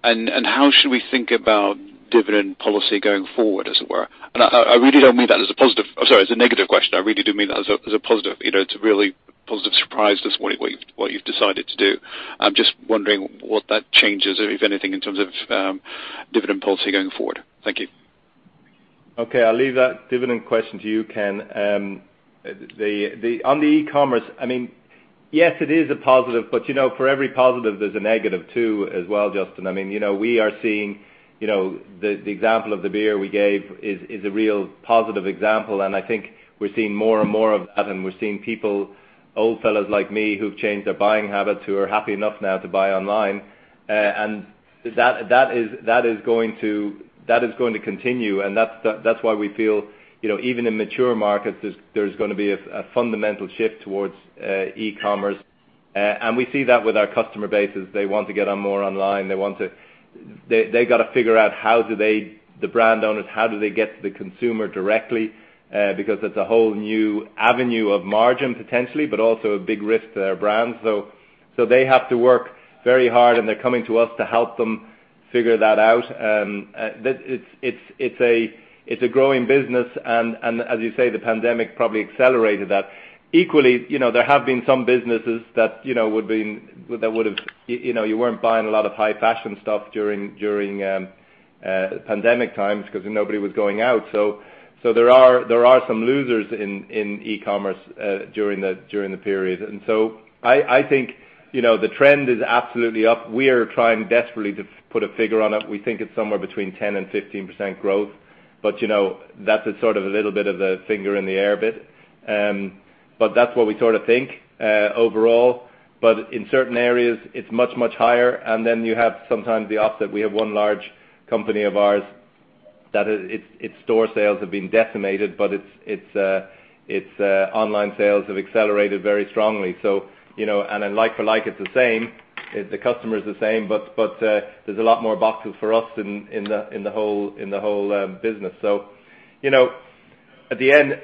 How should we think about dividend policy going forward, as it were? I really don't mean that as a positive, I'm sorry, as a negative question. I really do mean that as a positive. It's a really positive surprise to see what you've decided to do. I'm just wondering what that changes, if anything, in terms of dividend policy going forward. Thank you. Okay. I'll leave that dividend question to you, Ken. On the e-commerce, I mean, yes, it is a positive, but for every positive, there's a negative too as well, Justin. I mean, we are seeing the example of the beer we gave is a real positive example. And I think we're seeing more and more of that. And we're seeing people, old fellas like me, who've changed their buying habits, who are happy enough now to buy online. And that is going to continue. And that's why we feel even in mature markets, there's going to be a fundamental shift towards e-commerce. And we see that with our customer bases. They want to get on more online. They've got to figure out how do they, the brand owners, how do they get to the consumer directly? Because that's a whole new avenue of margin, potentially, but also a big risk to their brand. So they have to work very hard, and they're coming to us to help them figure that out. It's a growing business. And as you say, the pandemic probably accelerated that. Equally, there have been some businesses that would have—you weren't buying a lot of high-fashion stuff during pandemic times because nobody was going out. So there are some losers in e-commerce during the period. And so I think the trend is absolutely up. We are trying desperately to put a figure on it. We think it's somewhere between 10%-15% growth. But that's sort of a little bit of the finger in the air bit. But that's what we sort of think overall. But in certain areas, it's much, much higher. And then you have sometimes the opposite. We have one large company of ours that its store sales have been decimated, but its online sales have accelerated very strongly. And like for like, it's the same. The customer is the same, but there's a lot more boxes for us in the whole business. So at the end,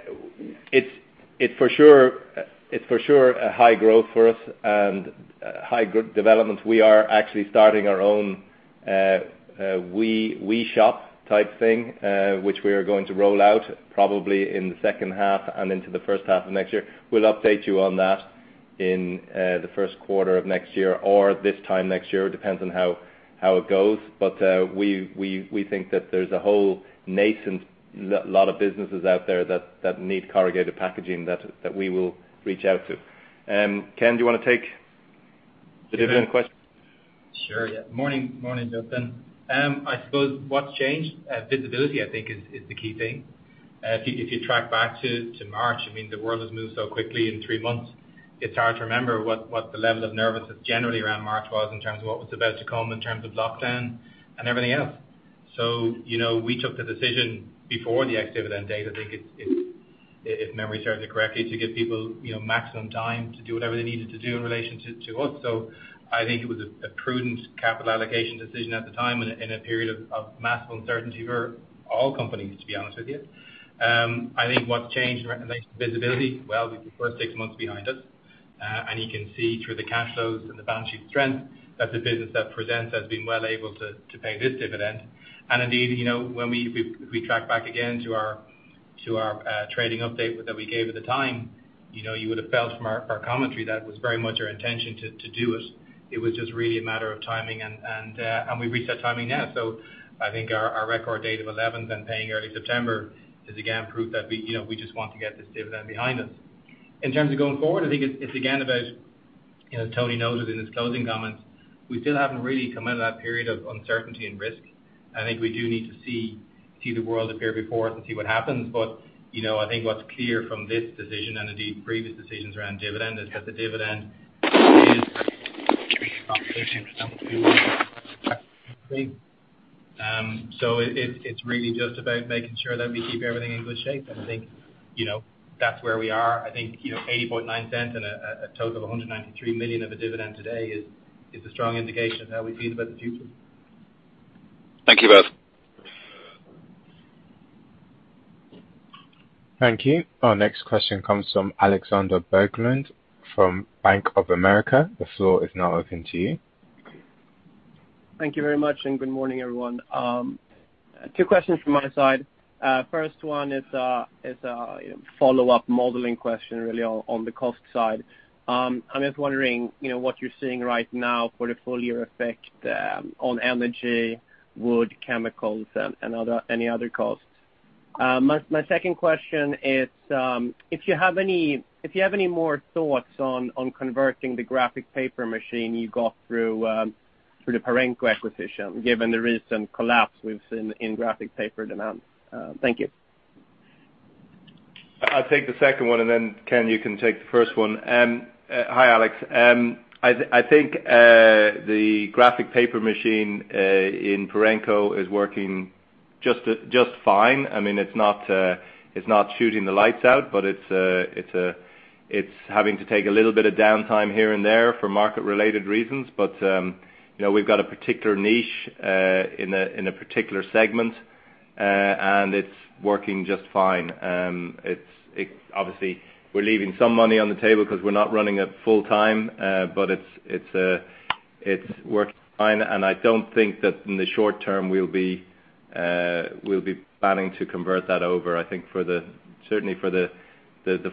it's for sure a high growth for us and high development. We are actually starting our own WeShop type thing, which we are going to roll out probably in the second half and into the first half of next year. We'll update you on that in the first quarter of next year or this time next year. It depends on how it goes. But we think that there's a whole nascent lot of businesses out there that need corrugated packaging that we will reach out to. Ken, do you want to take the dividend question? Sure. Yeah. Morning, Justin. I suppose what's changed? Visibility, I think, is the key thing. If you track back to March, I mean, the world has moved so quickly in three months. It's hard to remember what the level of nervousness generally around March was in terms of what was about to come in terms of lockdown and everything else. So we took the decision before the ex-dividend date, I think, if memory serves me correctly, to give people maximum time to do whatever they needed to do in relation to us. So I think it was a prudent capital allocation decision at the time in a period of massive uncertainty for all companies, to be honest with you. I think what's changed in relation to visibility, well, we've put six months behind us. You can see through the cash flows and the balance sheet strength that the business that presents has been well able to pay this dividend. Indeed, when we track back again to our trading update that we gave at the time, you would have felt from our commentary that it was very much our intention to do it. It was just really a matter of timing. We've reached that timing now. I think our record date of 11th and paying early September is again proof that we just want to get this dividend behind us. In terms of going forward, I think it's again about, as Tony noted in his closing comments, we still haven't really come out of that period of uncertainty and risk. I think we do need to see the world appear before us and see what happens. I think what's clear from this decision and indeed previous decisions around dividend is that the dividend is a complication. It's really just about making sure that we keep everything in good shape. I think that's where we are. I think 0.809 and a total of 193 million of a dividend today is a strong indication of how we feel about the future. Thank you both. Thank you. Our next question comes from Alexander Berglund from Bank of America. The floor is now open to you. Thank you very much. Good morning, everyone. Two questions from my side. First one is a follow-up modeling question, really, on the cost side. I'm just wondering what you're seeing right now for the full-year effect on energy, wood, chemicals, and any other costs. My second question is, if you have any more thoughts on converting the graphic paper machine you got through the Parenco acquisition, given the recent collapse we've seen in graphic paper demand? Thank you. I'll take the second one. And then, Ken, you can take the first one. Hi, Alex. I think the graphic paper machine in Parenco is working just fine. I mean, it's not shooting the lights out, but it's having to take a little bit of downtime here and there for market-related reasons. But we've got a particular niche in a particular segment, and it's working just fine. Obviously, we're leaving some money on the table because we're not running it full-time, but it's working fine. And I don't think that in the short term we'll be planning to convert that over. I think certainly for the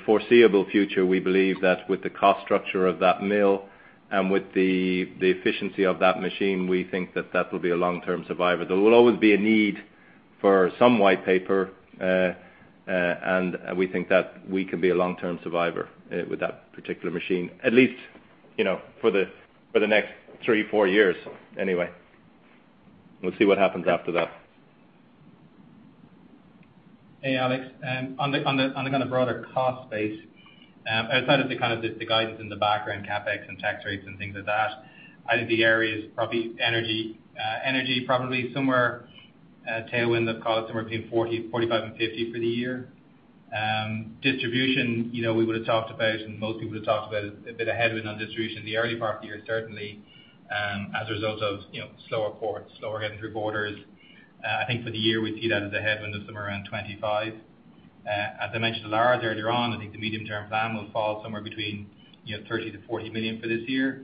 foreseeable future, we believe that with the cost structure of that mill and with the efficiency of that machine, we think that that will be a long-term survivor. There will always be a need for some white paper. We think that we can be a long-term survivor with that particular machine, at least for the next 3-4 years, anyway. We'll see what happens after that. Hey, Alex. On the kind of broader cost base, outside of the kind of the guidance in the background, CapEx and tax rates and things like that, I think the area is probably energy, probably somewhere tailwind of cost, somewhere between 45 million-50 million for the year. Distribution, we would have talked about, and most people would have talked about a bit of headwind on distribution in the early part of the year, certainly, as a result of slower ports, slower heading through borders. I think for the year, we see that as a headwind of somewhere around 25 million. As I mentioned to Lars earlier on, I think the medium-term plan will fall somewhere between 30 million-40 million for this year.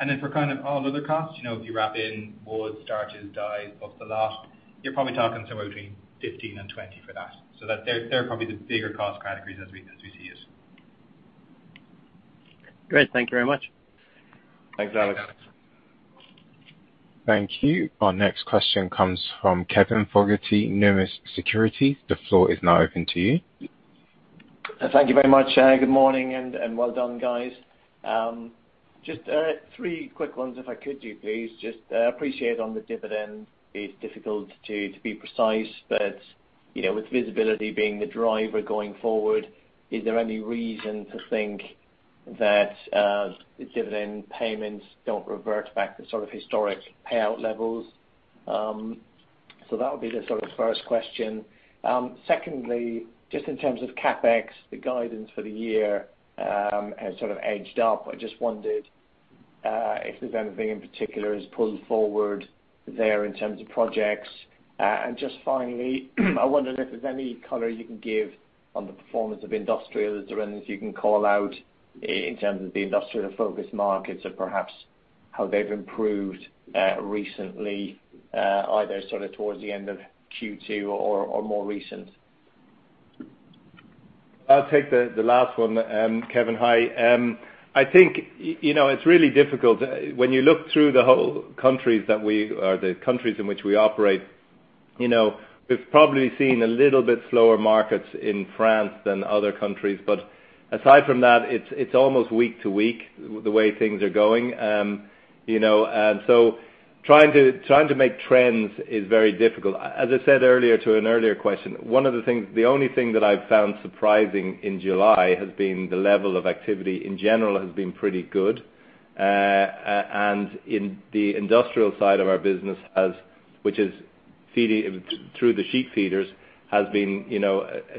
And then for kind of all other costs, if you wrap in wood, starches, dyes, the whole lot, you're probably talking somewhere between 15 million-20 million for that. They're probably the bigger cost categories as we see it. Great. Thank you very much. Thanks, Alex. Thank you. Our next question comes from Kevin Fogarty, Numis Securities. The floor is now open to you. Thank you very much. Good morning and well done, guys. Just three quick ones if I could, please. Just a question on the dividend; it's difficult to be precise, but with visibility being the driver going forward, is there any reason to think that the dividend payments don't revert back to sort of historic payout levels? That would be the sort of first question. Secondly, just in terms of CapEx, the guidance for the year has sort of edged up. I just wondered if there's anything in particular that's pulled forward there in terms of projects. And just finally, I wondered if there's any color you can give on the performance of industrial, or is there anything you can call out in terms of the industrial-focused markets or perhaps how they've improved recently, either sort of towards the end of Q2 or more recent? I'll take the last one, Kevin. Hi. I think it's really difficult. When you look through the whole countries that we or the countries in which we operate, we've probably seen a little bit slower markets in France than other countries. But aside from that, it's almost week to week the way things are going. And so trying to make trends is very difficult. As I said earlier to an earlier question, one of the things, the only thing that I've found surprising in July has been the level of activity in general has been pretty good. And in the industrial side of our business, which is feeding through the sheet feeders, has been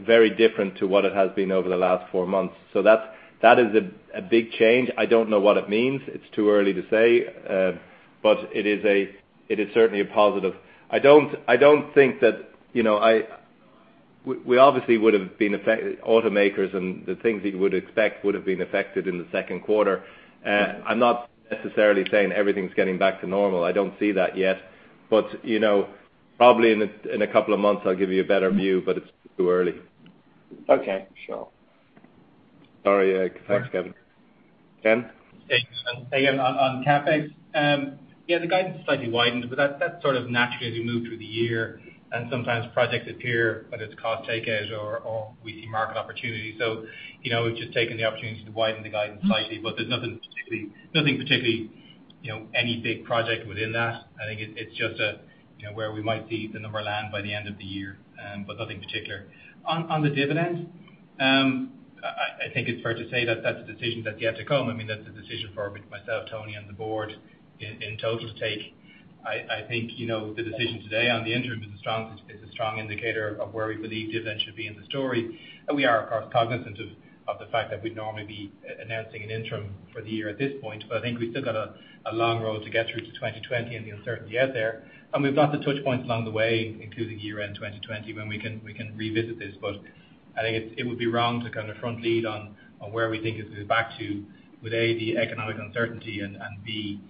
very different to what it has been over the last four months. So that is a big change. I don't know what it means. It's too early to say, but it is certainly a positive. I don't think that we obviously would have been automakers, and the things that you would expect would have been affected in the second quarter. I'm not necessarily saying everything's getting back to normal. I don't see that yet. But probably in a couple of months, I'll give you a better view, but it's too early. Okay. Sure. Sorry. Thanks, Kevin. Ken? Hey, again, on CapEx, yeah, the guidance is slightly widened, but that's sort of natural as we move through the year. Sometimes projects appear at its cost takeout or we see market opportunity. We've just taken the opportunity to widen the guidance slightly, but there's nothing particularly, nothing particularly any big project within that. I think it's just where we might see the number land by the end of the year, but nothing particular. On the dividend, I think it's fair to say that that's a decision that's yet to come. I mean, that's a decision for myself, Tony, and the board in total to take. I think the decision today on the interim is a strong indicator of where we believe dividend should be in the story. We are, of course, cognizant of the fact that we'd normally be announcing an interim for the year at this point, but I think we've still got a long road to get through to 2020 and the uncertainty out there. We've got the touch points along the way, including year-end 2020, when we can revisit this. But I think it would be wrong to kind of front-lead on where we think it's going to go back to with, A, the economic uncertainty and, B,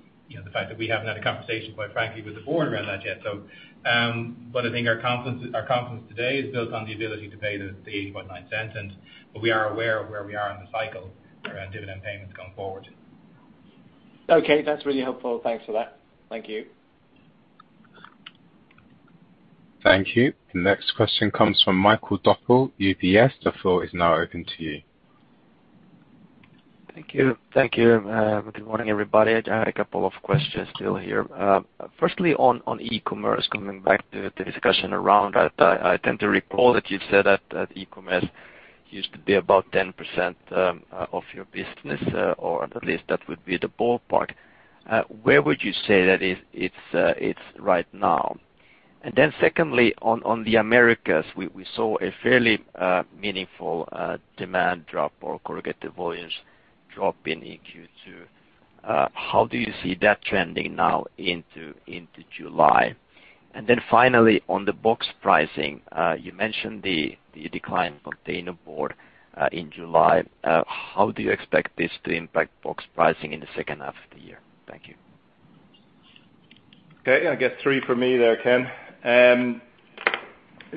the fact that we haven't had a conversation, quite frankly, with the board around that yet. But I think our confidence today is built on the ability to pay the 0.809, and we are aware of where we are in the cycle around dividend payments going forward. Okay. That's really helpful. Thanks for that. Thank you. Thank you. The next question comes from Mikael Doepel, UBS. The floor is now open to you. Thank you. Thank you. Good morning, everybody. I have a couple of questions still here. Firstly, on e-commerce, coming back to the discussion around that, I tend to recall that you said that e-commerce used to be about 10% of your business, or at least that would be the ballpark. Where would you say that it's right now? And then secondly, on the Americas, we saw a fairly meaningful demand drop or corrugated volumes drop in Q2. How do you see that trending now into July? And then finally, on the box pricing, you mentioned the decline of containerboard in July. How do you expect this to impact box pricing in the second half of the year? Thank you. Okay. I guess three for me there, Ken.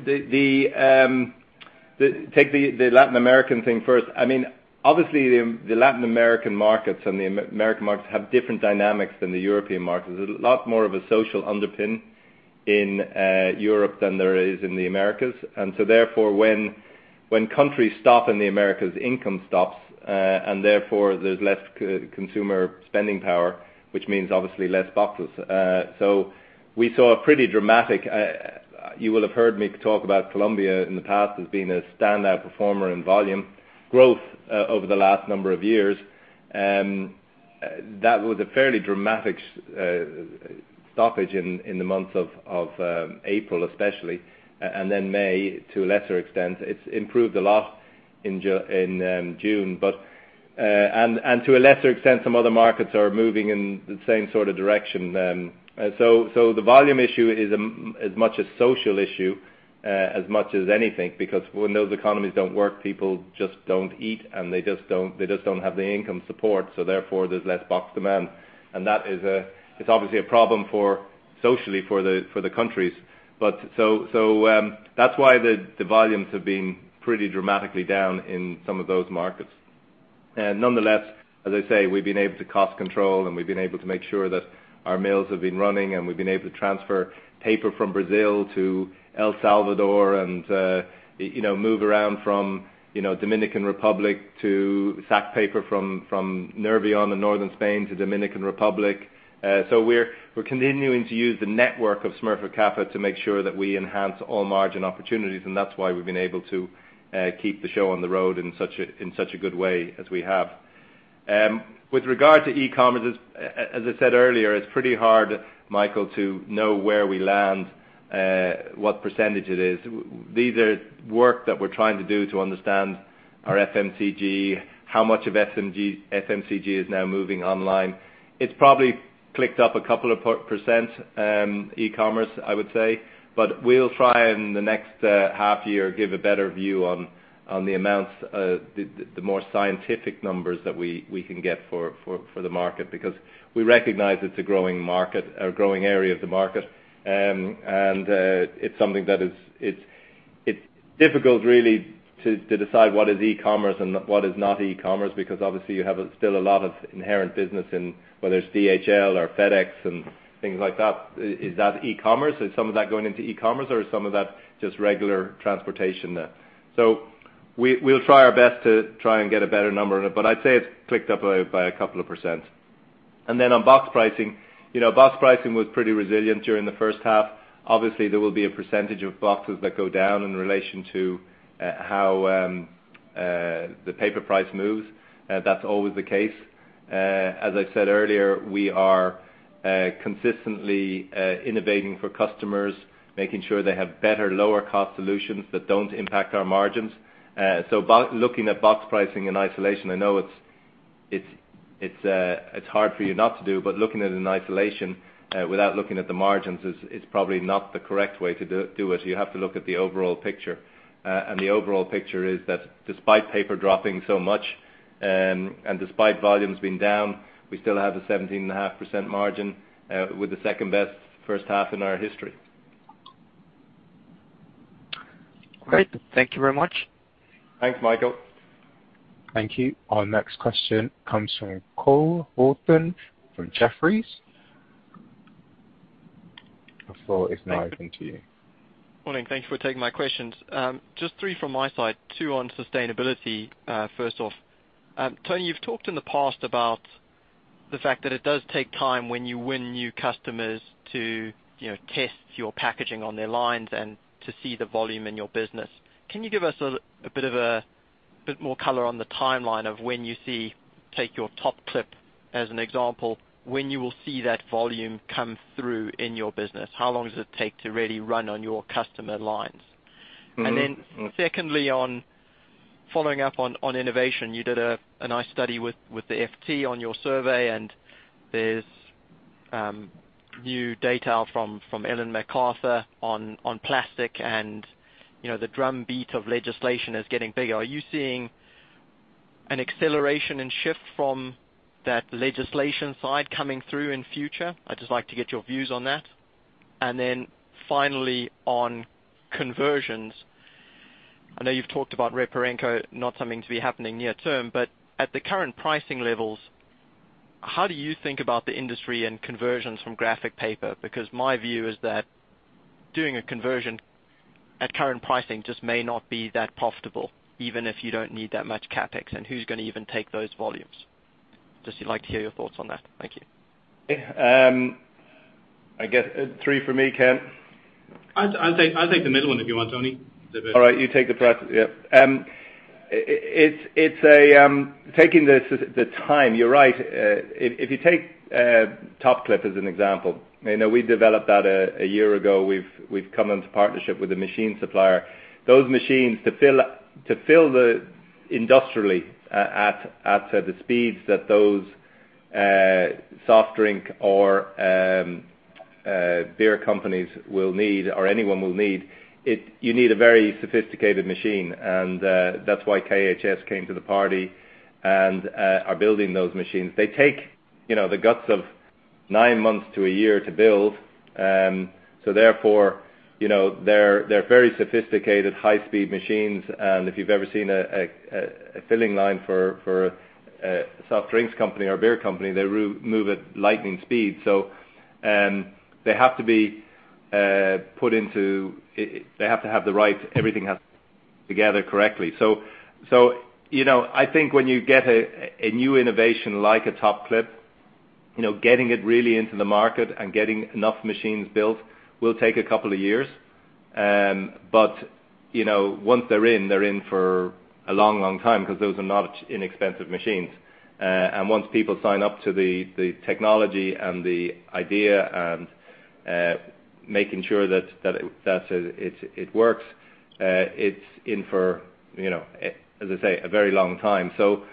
Take the Latin American thing first. I mean, obviously, the Latin American markets and the American markets have different dynamics than the European markets. There's a lot more of a social underpin in Europe than there is in the Americas. And so therefore, when countries stop in the Americas, income stops, and therefore, there's less consumer spending power, which means obviously less boxes. So we saw a pretty dramatic, you will have heard me talk about Colombia in the past as being a standout performer in volume growth over the last number of years. That was a fairly dramatic stoppage in the months of April, especially, and then May, to a lesser extent. It's improved a lot in June, but and to a lesser extent, some other markets are moving in the same sort of direction. So the volume issue is as much a social issue as much as anything because when those economies don't work, people just don't eat, and they just don't have the income support. So therefore, there's less box demand. And that is obviously a problem socially for the countries. So that's why the volumes have been pretty dramatically down in some of those markets. Nonetheless, as I say, we've been able to cost control, and we've been able to make sure that our mills have been running, and we've been able to transfer paper from Brazil to El Salvador and move around from Dominican Republic to sack paper from Nervión in northern Spain to Dominican Republic. So we're continuing to use the network of Smurfit Kappa to make sure that we enhance all margin opportunities, and that's why we've been able to keep the show on the road in such a good way as we have. With regard to e-commerce, as I said earlier, it's pretty hard, Mikael, to know where we land, what percentage it is. These are work that we're trying to do to understand our FMCG, how much of FMCG is now moving online. It's probably ticked up a couple of % e-commerce, I would say. But we'll try in the next half year to give a better view on the amounts, the more scientific numbers that we can get for the market because we recognize it's a growing market or a growing area of the market. It's something that is. It's difficult, really, to decide what is e-commerce and what is not e-commerce because, obviously, you have still a lot of inherent business in whether it's DHL or FedEx and things like that. Is that e-commerce? Is some of that going into e-commerce, or is some of that just regular transportation? We'll try our best to try and get a better number on it, but I'd say it's clicked up by a couple of %. Then on box pricing, box pricing was pretty resilient during the first half. Obviously, there will be a percentage of boxes that go down in relation to how the paper price moves. That's always the case. As I said earlier, we are consistently innovating for customers, making sure they have better, lower-cost solutions that don't impact our margins. Looking at box pricing in isolation, I know it's hard for you not to do, but looking at it in isolation without looking at the margins is probably not the correct way to do it. You have to look at the overall picture. The overall picture is that despite paper dropping so much and despite volumes being down, we still have a 17.5% margin with the second-best first half in our history. Great. Thank you very much. Thanks, Michael. Thank you. Our next question comes from Cole Hathorn from Jefferies. The floor is now open to you. Morning. Thank you for taking my questions. Just three from my side, two on sustainability first off. Tony, you've talked in the past about the fact that it does take time when you win new customers to test your packaging on their lines and to see the volume in your business. Can you give us a bit of a bit more color on the timeline of when you see, take your TopClip as an example, when you will see that volume come through in your business? How long does it take to really run on your customer lines? And then secondly, on following up on innovation, you did a nice study with the FT on your survey, and there's new data from Ellen MacArthur on plastic, and the drumbeat of legislation is getting bigger. Are you seeing an acceleration and shift from that legislation side coming through in future? I'd just like to get your views on that. Then finally, on conversions, I know you've talked about Parenco not something to be happening near term, but at the current pricing levels, how do you think about the industry and conversions from graphic paper? Because my view is that doing a conversion at current pricing just may not be that profitable, even if you don't need that much CapEx, and who's going to even take those volumes? Just like to hear your thoughts on that. Thank you. I guess three for me, Ken. I'll take the middle one if you want, Tony. All right. You take the prize. Yeah. It's taking the time. You're right. If you take TopClip as an example, we developed that a year ago. We've come into partnership with a machine supplier. Those machines to fill the industrially at the speeds that those soft drink or beer companies will need or anyone will need, you need a very sophisticated machine. And that's why KHS came to the party and are building those machines. They take the guts of 9 months to a year to build. So therefore, they're very sophisticated, high-speed machines. And if you've ever seen a filling line for a soft drinks company or a beer company, they move at lightning speed. So they have to be put into—they have to have the right—everything has to be put together correctly. So I think when you get a new innovation like a TopClip, getting it really into the market and getting enough machines built will take a couple of years. But once they're in, they're in for a long, long time because those are not inexpensive machines. And once people sign up to the technology and the idea and making sure that it works, it's in for, as I say, a very long time. So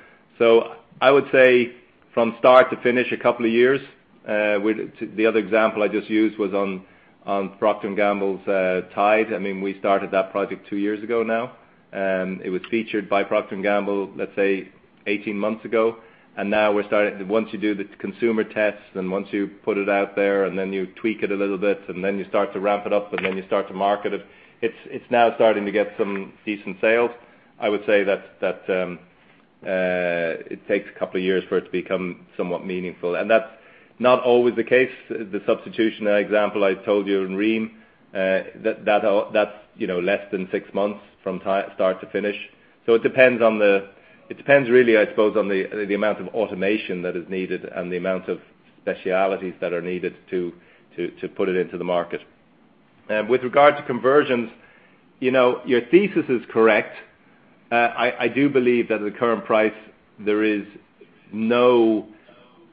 I would say from start to finish, a couple of years. The other example I just used was on Procter & Gamble's Tide. I mean, we started that project two years ago now. It was featured by Procter & Gamble, let's say, 18 months ago. And now we're starting, once you do the consumer tests and once you put it out there and then you tweak it a little bit and then you start to ramp it up and then you start to market it, it's now starting to get some decent sales. I would say that it takes a couple of years for it to become somewhat meaningful. And that's not always the case. The substitution example I told you in Rheem, that's less than six months from start to finish. So it depends really, I suppose, on the amount of automation that is needed and the amount of specialities that are needed to put it into the market. With regard to conversions, your thesis is correct. I do believe that at the current price, there is no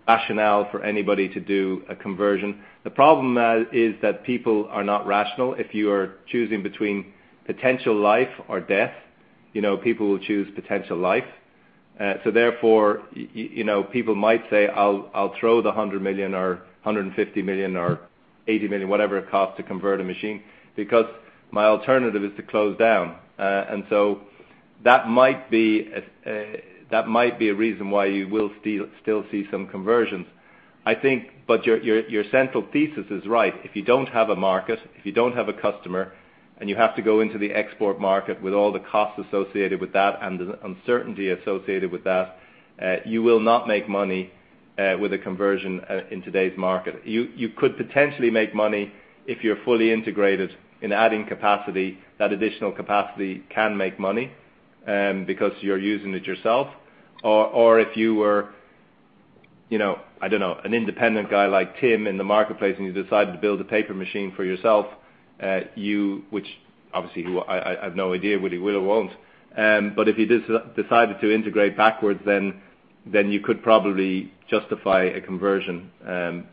rationale for anybody to do a conversion. The problem is that people are not rational. If you are choosing between potential life or death, people will choose potential life. So therefore, people might say, "I'll throw the 100 million or 150 million or 80 million, whatever it costs to convert a machine because my alternative is to close down." And so that might be a reason why you will still see some conversions. But your central thesis is right. If you don't have a market, if you don't have a customer, and you have to go into the export market with all the costs associated with that and the uncertainty associated with that, you will not make money with a conversion in today's market. You could potentially make money if you're fully integrated in adding capacity. That additional capacity can make money because you're using it yourself. Or if you were, I don't know, an independent guy like Thimm in the marketplace and you decided to build a paper machine for yourself, which obviously I have no idea whether he will or won't. But if he decided to integrate backwards, then you could probably justify a conversion.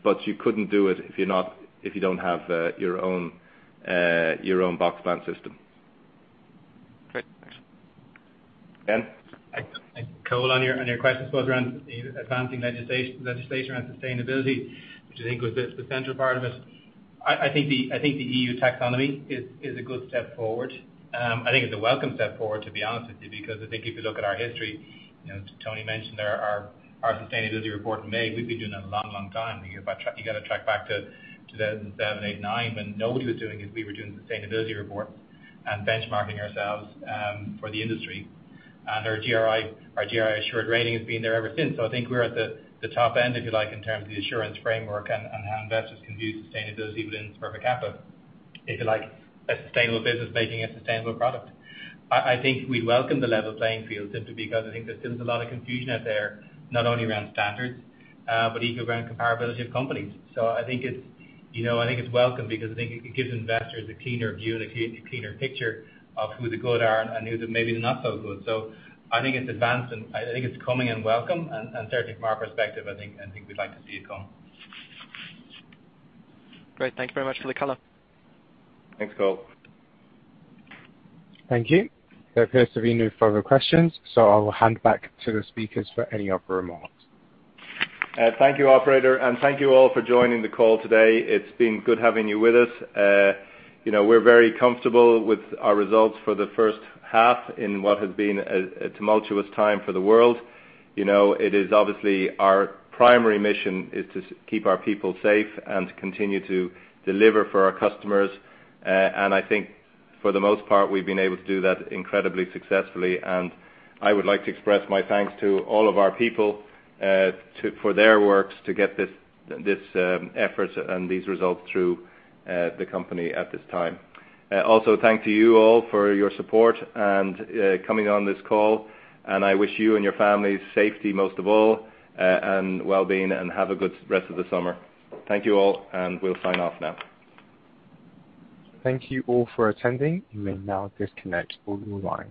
But you couldn't do it if you don't have your own box plant system. Great. Thanks, Ken. Thank you, Cole, on your questions both around advancing legislation around sustainability, which I think was the central part of it. I think the E.U. Taxonomy is a good step forward. I think it's a welcome step forward, to be honest with you, because I think if you look at our history, Tony mentioned our sustainability report in May. We've been doing that a long, long time. You got to track back to 2007, 2008, 2009 when nobody was doing it. We were doing sustainability reports and benchmarking ourselves for the industry. And our GRI assured rating has been there ever since. So I think we're at the top end, if you like, in terms of the assurance framework and how investors can view sustainability within Smurfit Kappa, if you like, a sustainable business making a sustainable product. I think we'd welcome the level playing field simply because I think there's still a lot of confusion out there, not only around standards, but even around comparability of companies. So I think it's welcome because I think it gives investors a cleaner view and a cleaner picture of who the good are and who maybe are not so good. So I think it's advanced, and I think it's coming in welcome. And certainly from our perspective, I think we'd like to see it come. Great. Thank you very much for the color. Thanks, Cole. Thank you. There appears to be no further questions, so I'll hand back to the speakers for any other remarks. Thank you, Operator, and thank you all for joining the call today. It's been good having you with us. We're very comfortable with our results for the first half in what has been a tumultuous time for the world. It is obviously our primary mission is to keep our people safe and to continue to deliver for our customers. And I think for the most part, we've been able to do that incredibly successfully. And I would like to express my thanks to all of our people for their work to get this effort and these results through the company at this time. Also, thank you all for your support and coming on this call. And I wish you and your families safety most of all and well-being, and have a good rest of the summer. Thank you all, and we'll sign off now. Thank you all for attending. You may now disconnect or rewind.